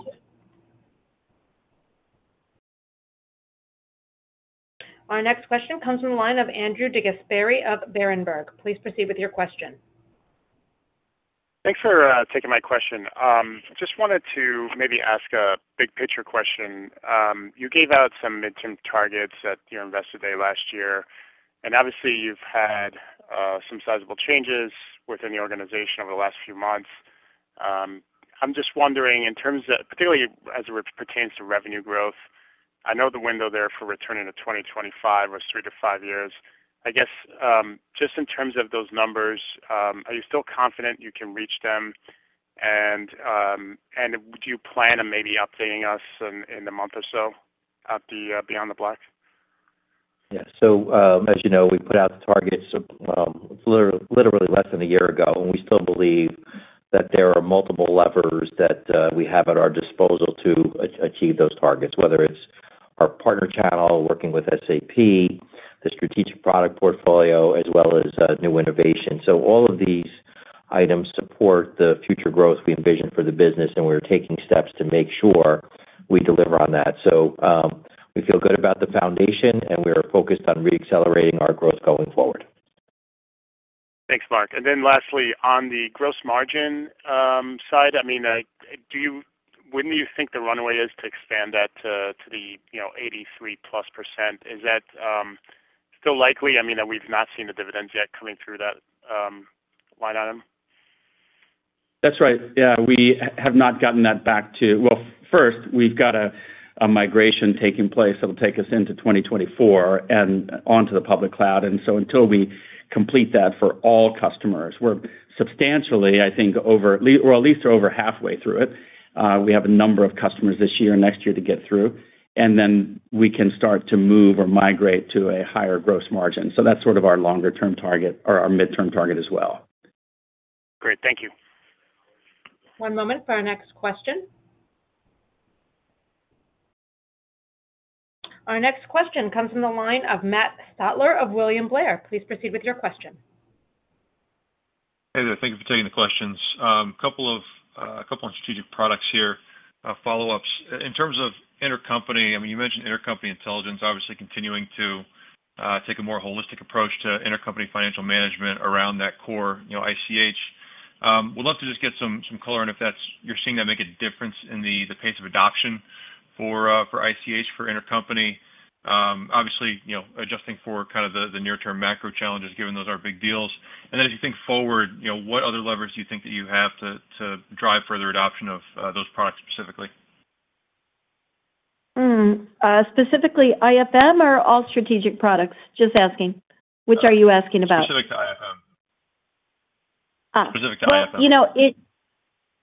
Our next question comes from the line of Andrew DeGasperi of Berenberg. Please proceed with your question. Thanks for taking my question. Just wanted to maybe ask a big-picture question. You gave out some mid-term targets at your Investor Day last year, and obviously, you've had some sizable changes within the organization over the last few months. I'm just wondering, in terms of particularly as it pertains to revenue growth, I know the window there for returning to 2025 was three to five years. I guess, just in terms of those numbers, are you still confident you can reach them? Would you plan on maybe updating us in a month or so at the BeyondTheBlack? Yeah, as you know, we put out the targets, literally, literally less than a year ago, and we still believe that there are multiple levers that we have at our disposal to achieve those targets, whether it's our partner channel, working with SAP, the strategic product portfolio, as well as new innovation. All of these items support the future growth we envision for the business, and we're taking steps to make sure we deliver on that. We feel good about the foundation, and we are focused on reaccelerating our growth going forward. Thanks, Mark. Then lastly, on the gross margin, side, I mean.... Wouldn't you think the runway is to expand that to, to the, you know, 83+%? Is that still likely? I mean, that we've not seen the dividends yet coming through that line item. That's right. Yeah, we have not gotten that back to. Well, first, we've got a migration taking place that'll take us into 2024 and onto the public cloud. Until we complete that for all customers, we're substantially, I think, over or at least over halfway through it. We have a number of customers this year and next year to get through, and then we can start to move or migrate to a higher gross margin. That's sort of our longer-term target or our midterm target as well. Great. Thank you. One moment for our next question. Our next question comes from the line of Matt Stotler of William Blair. Please proceed with your question. Hey there. Thank you for taking the questions. Couple of, couple of strategic products here, follow-ups. In terms of intercompany, you mentioned intercompany intelligence, obviously continuing to take a more holistic approach to intercompany financial management around that core ICH. Would love to just get some, some color on if that's, you're seeing that make a difference in the pace of adoption for ICH, for intercompany. Obviously, adjusting for kind of the near-term macro challenges, given those are big deals. As you think forward, what other levers do you think that you have to drive further adoption of those products specifically? Specifically, IFM or all strategic products? Just asking, which are you asking about? Specific to IFM. Specific to IFM. Well, you know, it,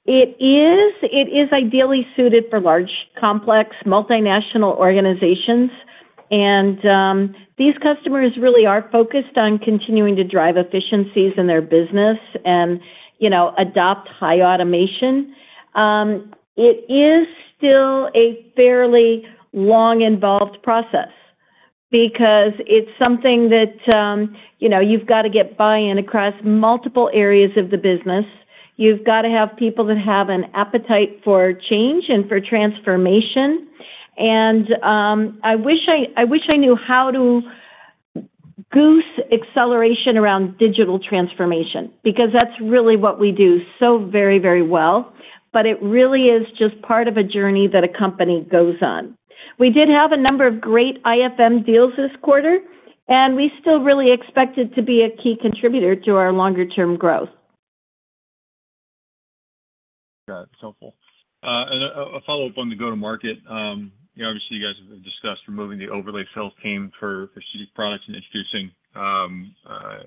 it is, it is ideally suited for large, complex, multinational organizations. These customers really are focused on continuing to drive efficiencies in their business and, you know, adopt high automation. It is still a fairly long, involved process because it's something that, you know, you've got to get buy-in across multiple areas of the business. You've got to have people that have an appetite for change and for transformation. I wish I, I wish I knew how to goose acceleration around digital transformation, because that's really what we do so very, very well. It really is just part of a journey that a company goes on. We did have a number of great IFM deals this quarter, and we still really expect it to be a key contributor to our longer-term growth. Got it. It's helpful. A follow-up on the go-to-market. You know, obviously, you guys have discussed removing the overlay sales team for strategic products and introducing,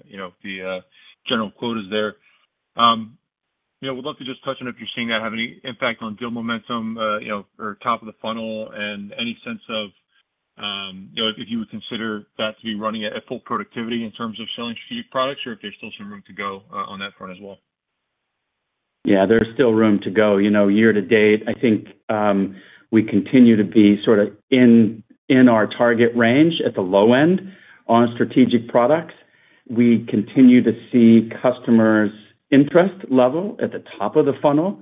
you know, the general quotas there. You know, would love to just touch on if you're seeing that have any impact on deal momentum, you know, or top of the funnel, and any sense of, you know, if you would consider that to be running at, at full productivity in terms of selling strategic products, or if there's still some room to go on that front as well? Yeah, there's still room to go. You know, year to date, I think, we continue to be sort of in, in our target range at the low end on strategic products. We continue to see customers' interest level at the top of the funnel.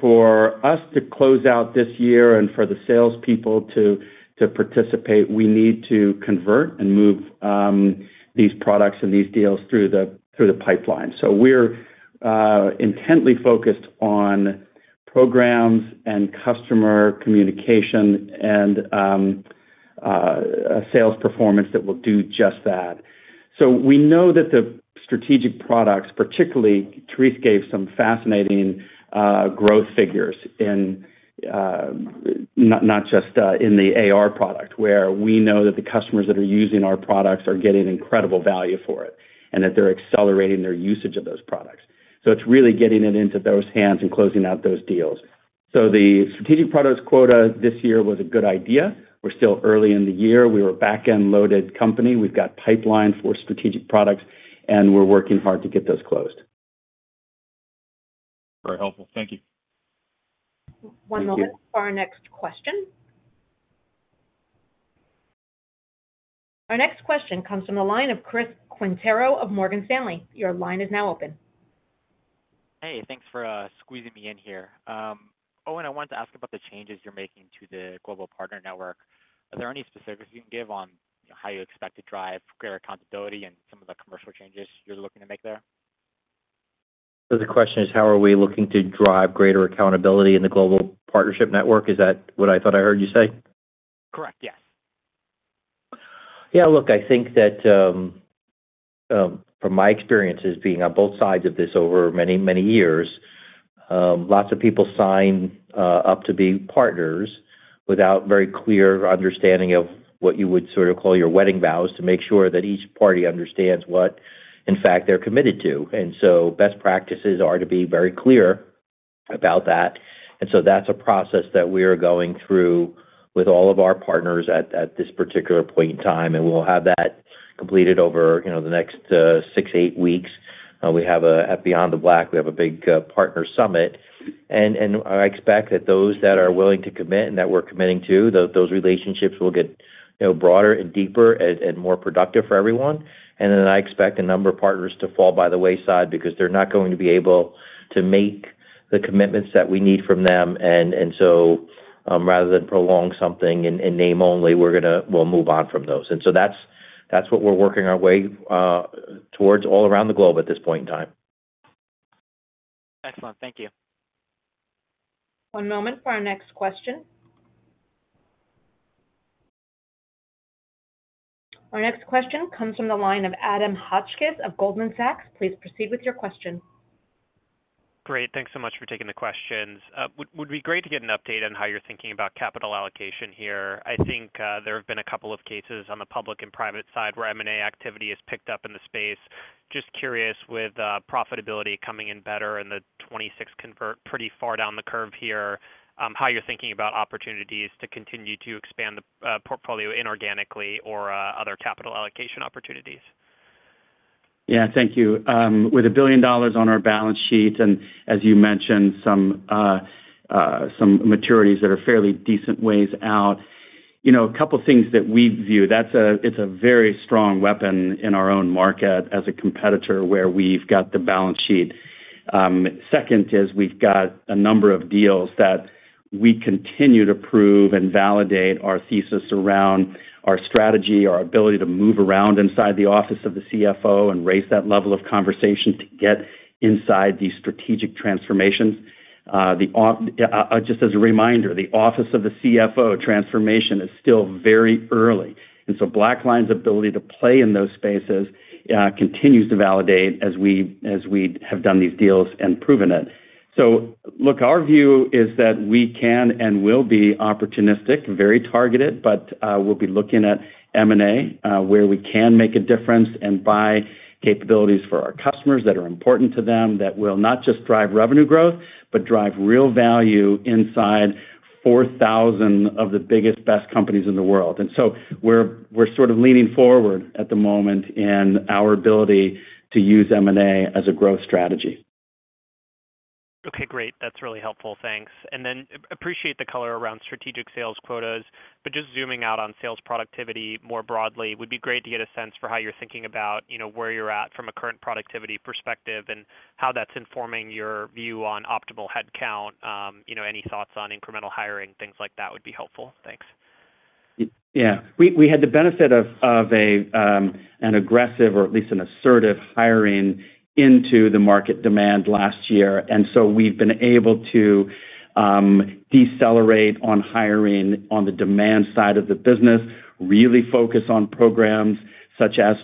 For us to close out this year and for the sales people to, to participate, we need to convert and move, these products and these deals through the, through the pipeline. We're intently focused on programs and customer communication and, a sales performance that will do just that. We know that the strategic products, particularly, Therese gave some fascinating growth figures in, not, not just, in the AR product, where we know that the customers that are using our products are getting incredible value for it, and that they're accelerating their usage of those products. It's really getting it into those hands and closing out those deals. The strategic products quota this year was a good idea. We're still early in the year. We were a back-end-loaded company. We've got pipeline for strategic products, and we're working hard to get those closed. Very helpful. Thank you. One moment for our next question. Our next question comes from the line of Chris Quintero of Morgan Stanley. Your line is now open. Hey, thanks for squeezing me in here. Owen, I wanted to ask about the changes you're making to the global partner network. Are there any specifics you can give on, you know, how you expect to drive greater accountability and some of the commercial changes you're looking to make there? The question is, how are we looking to drive greater accountability in the global partnership network? Is that what I thought I heard you say? Correct. Yes. Yeah, look, I think that, from my experiences being on both sides of this over many, many years, lots of people sign up to be partners without very clear understanding of what you would sort of call your wedding vows, to make sure that each party understands what, in fact, they're committed to. Best practices are to be very clear about that. That's a process that we are going through with all of our partners at, at this particular point in time, and we'll have that completed over, you know, the next six, eight weeks. We have a, at BeyondTheBlack, we have a big partner summit, and I expect that those that are willing to commit and that we're committing to, those relationships will get, you know, broader and deeper and more productive for everyone. Then I expect a number of partners to fall by the wayside because they're not going to be able to make the commitments that we need from them. Rather than prolong something in, in name only, we'll move on from those. So that's, that's what we're working our way towards all around the globe at this point in time. Excellent. Thank you. One moment for our next question. Our next question comes from the line of Adam Hotchkiss of Goldman Sachs. Please proceed with your question. Great. Thanks so much for taking the questions. Would, would be great to get an update on how you're thinking about capital allocation here. I think, there have been a couple of cases on the public and private side where M&A activity has picked up in the space. Just curious, with profitability coming in better and the 2026 Convert pretty far down the curve here, how you're thinking about opportunities to continue to expand the portfolio inorganically or other capital allocation opportunities? Yeah, thank you. With $1 billion on our balance sheet, and as you mentioned, some maturities that are fairly decent ways out, you know, a couple things that we view, it's a very strong weapon in our own market as a competitor, where we've got the balance sheet. Second is we've got a number of deals that we continue to prove and validate our thesis around our strategy, our ability to move around inside the office of the CFO and raise that level of conversation to get inside these strategic transformations. Just as a reminder, the office of the CFO transformation is still very early, and so BlackLine's ability to play in those spaces continues to validate as we, as we have done these deals and proven it. Look, our view is that we can and will be opportunistic, very targeted, but, we'll be looking at M&A, where we can make a difference and buy capabilities for our customers that are important to them, that will not just drive revenue growth, but drive real value inside 4,000 of the biggest, best companies in the world. We're, we're sort of leaning forward at the moment in our ability to use M&A as a growth strategy. Okay, great. That's really helpful. Thanks. Then appreciate the color around strategic sales quotas. Just zooming out on sales productivity more broadly, would be great to get a sense for how you're thinking about, you know, where you're at from a current productivity perspective, and how that's informing your view on optimal headcount. you know, any thoughts on incremental hiring, things like that, would be helpful. Thanks. Yeah. We, we had the benefit of, of a, an aggressive or at least an assertive hiring into the market demand last year, and so we've been able to decelerate on hiring on the demand side of the business. Really focus on programs such as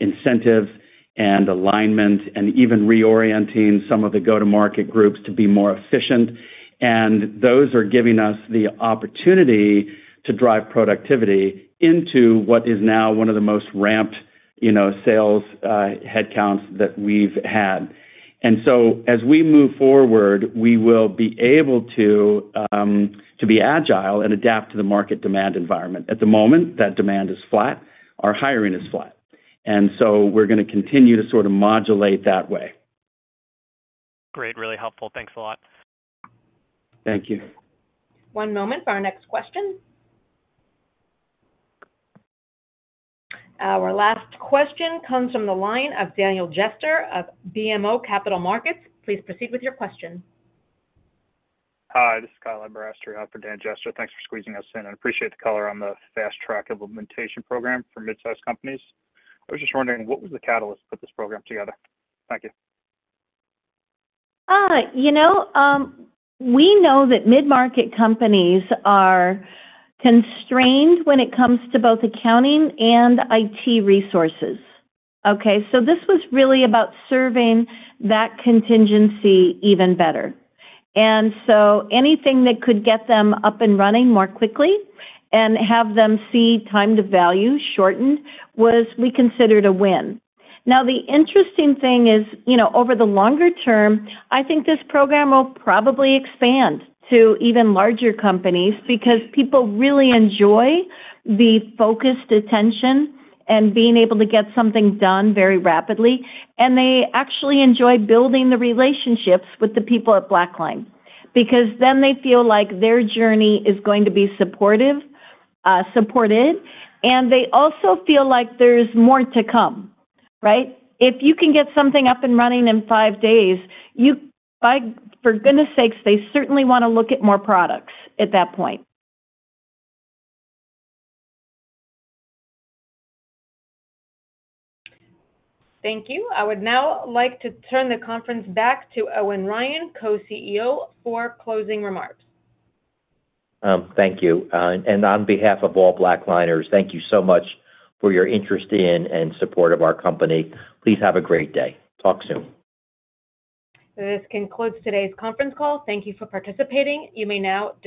incentive and alignment, and even reorienting some of the go-to-market groups to be more efficient. Those are giving us the opportunity to drive productivity into what is now one of the most ramped, you know, sales headcounts that we've had. So as we move forward, we will be able to be agile and adapt to the market demand environment. At the moment, that demand is flat, our hiring is flat, and so we're gonna continue to sort of modulate that way. Great, really helpful. Thanks a lot. Thank you. One moment for our next question. Our last question comes from the line of Daniel Jester of BMO Capital Markets. Please proceed with your question. Hi, this is Kyle Aberasturi for Dan Jester. Thanks for squeezing us in, and appreciate the color on the fast-track implementation program for midsize companies. I was just wondering, what was the catalyst to put this program together? Thank you. You know, we know that mid-market companies are constrained when it comes to both accounting and IT resources, okay? This was really about serving that contingency even better. Anything that could get them up and running more quickly and have them see time to value shortened, was we considered a win. The interesting thing is, you know, over the longer term, I think this program will probably expand to even larger companies because people really enjoy the focused attention and being able to get something done very rapidly. They actually enjoy building the relationships with the people at BlackLine, because then they feel like their journey is going to be supportive, supported, and they also feel like there's more to come, right? If you can get something up and running in five days. For goodness sakes, they certainly want to look at more products at that point. Thank you. I would now like to turn the conference back to Owen Ryan, Co-CEO, for closing remarks. Thank you. On behalf of all BlackLiners, thank you so much for your interest in and support of our company. Please have a great day. Talk soon. This concludes today's conference call. Thank you for participating. You may now disconnect.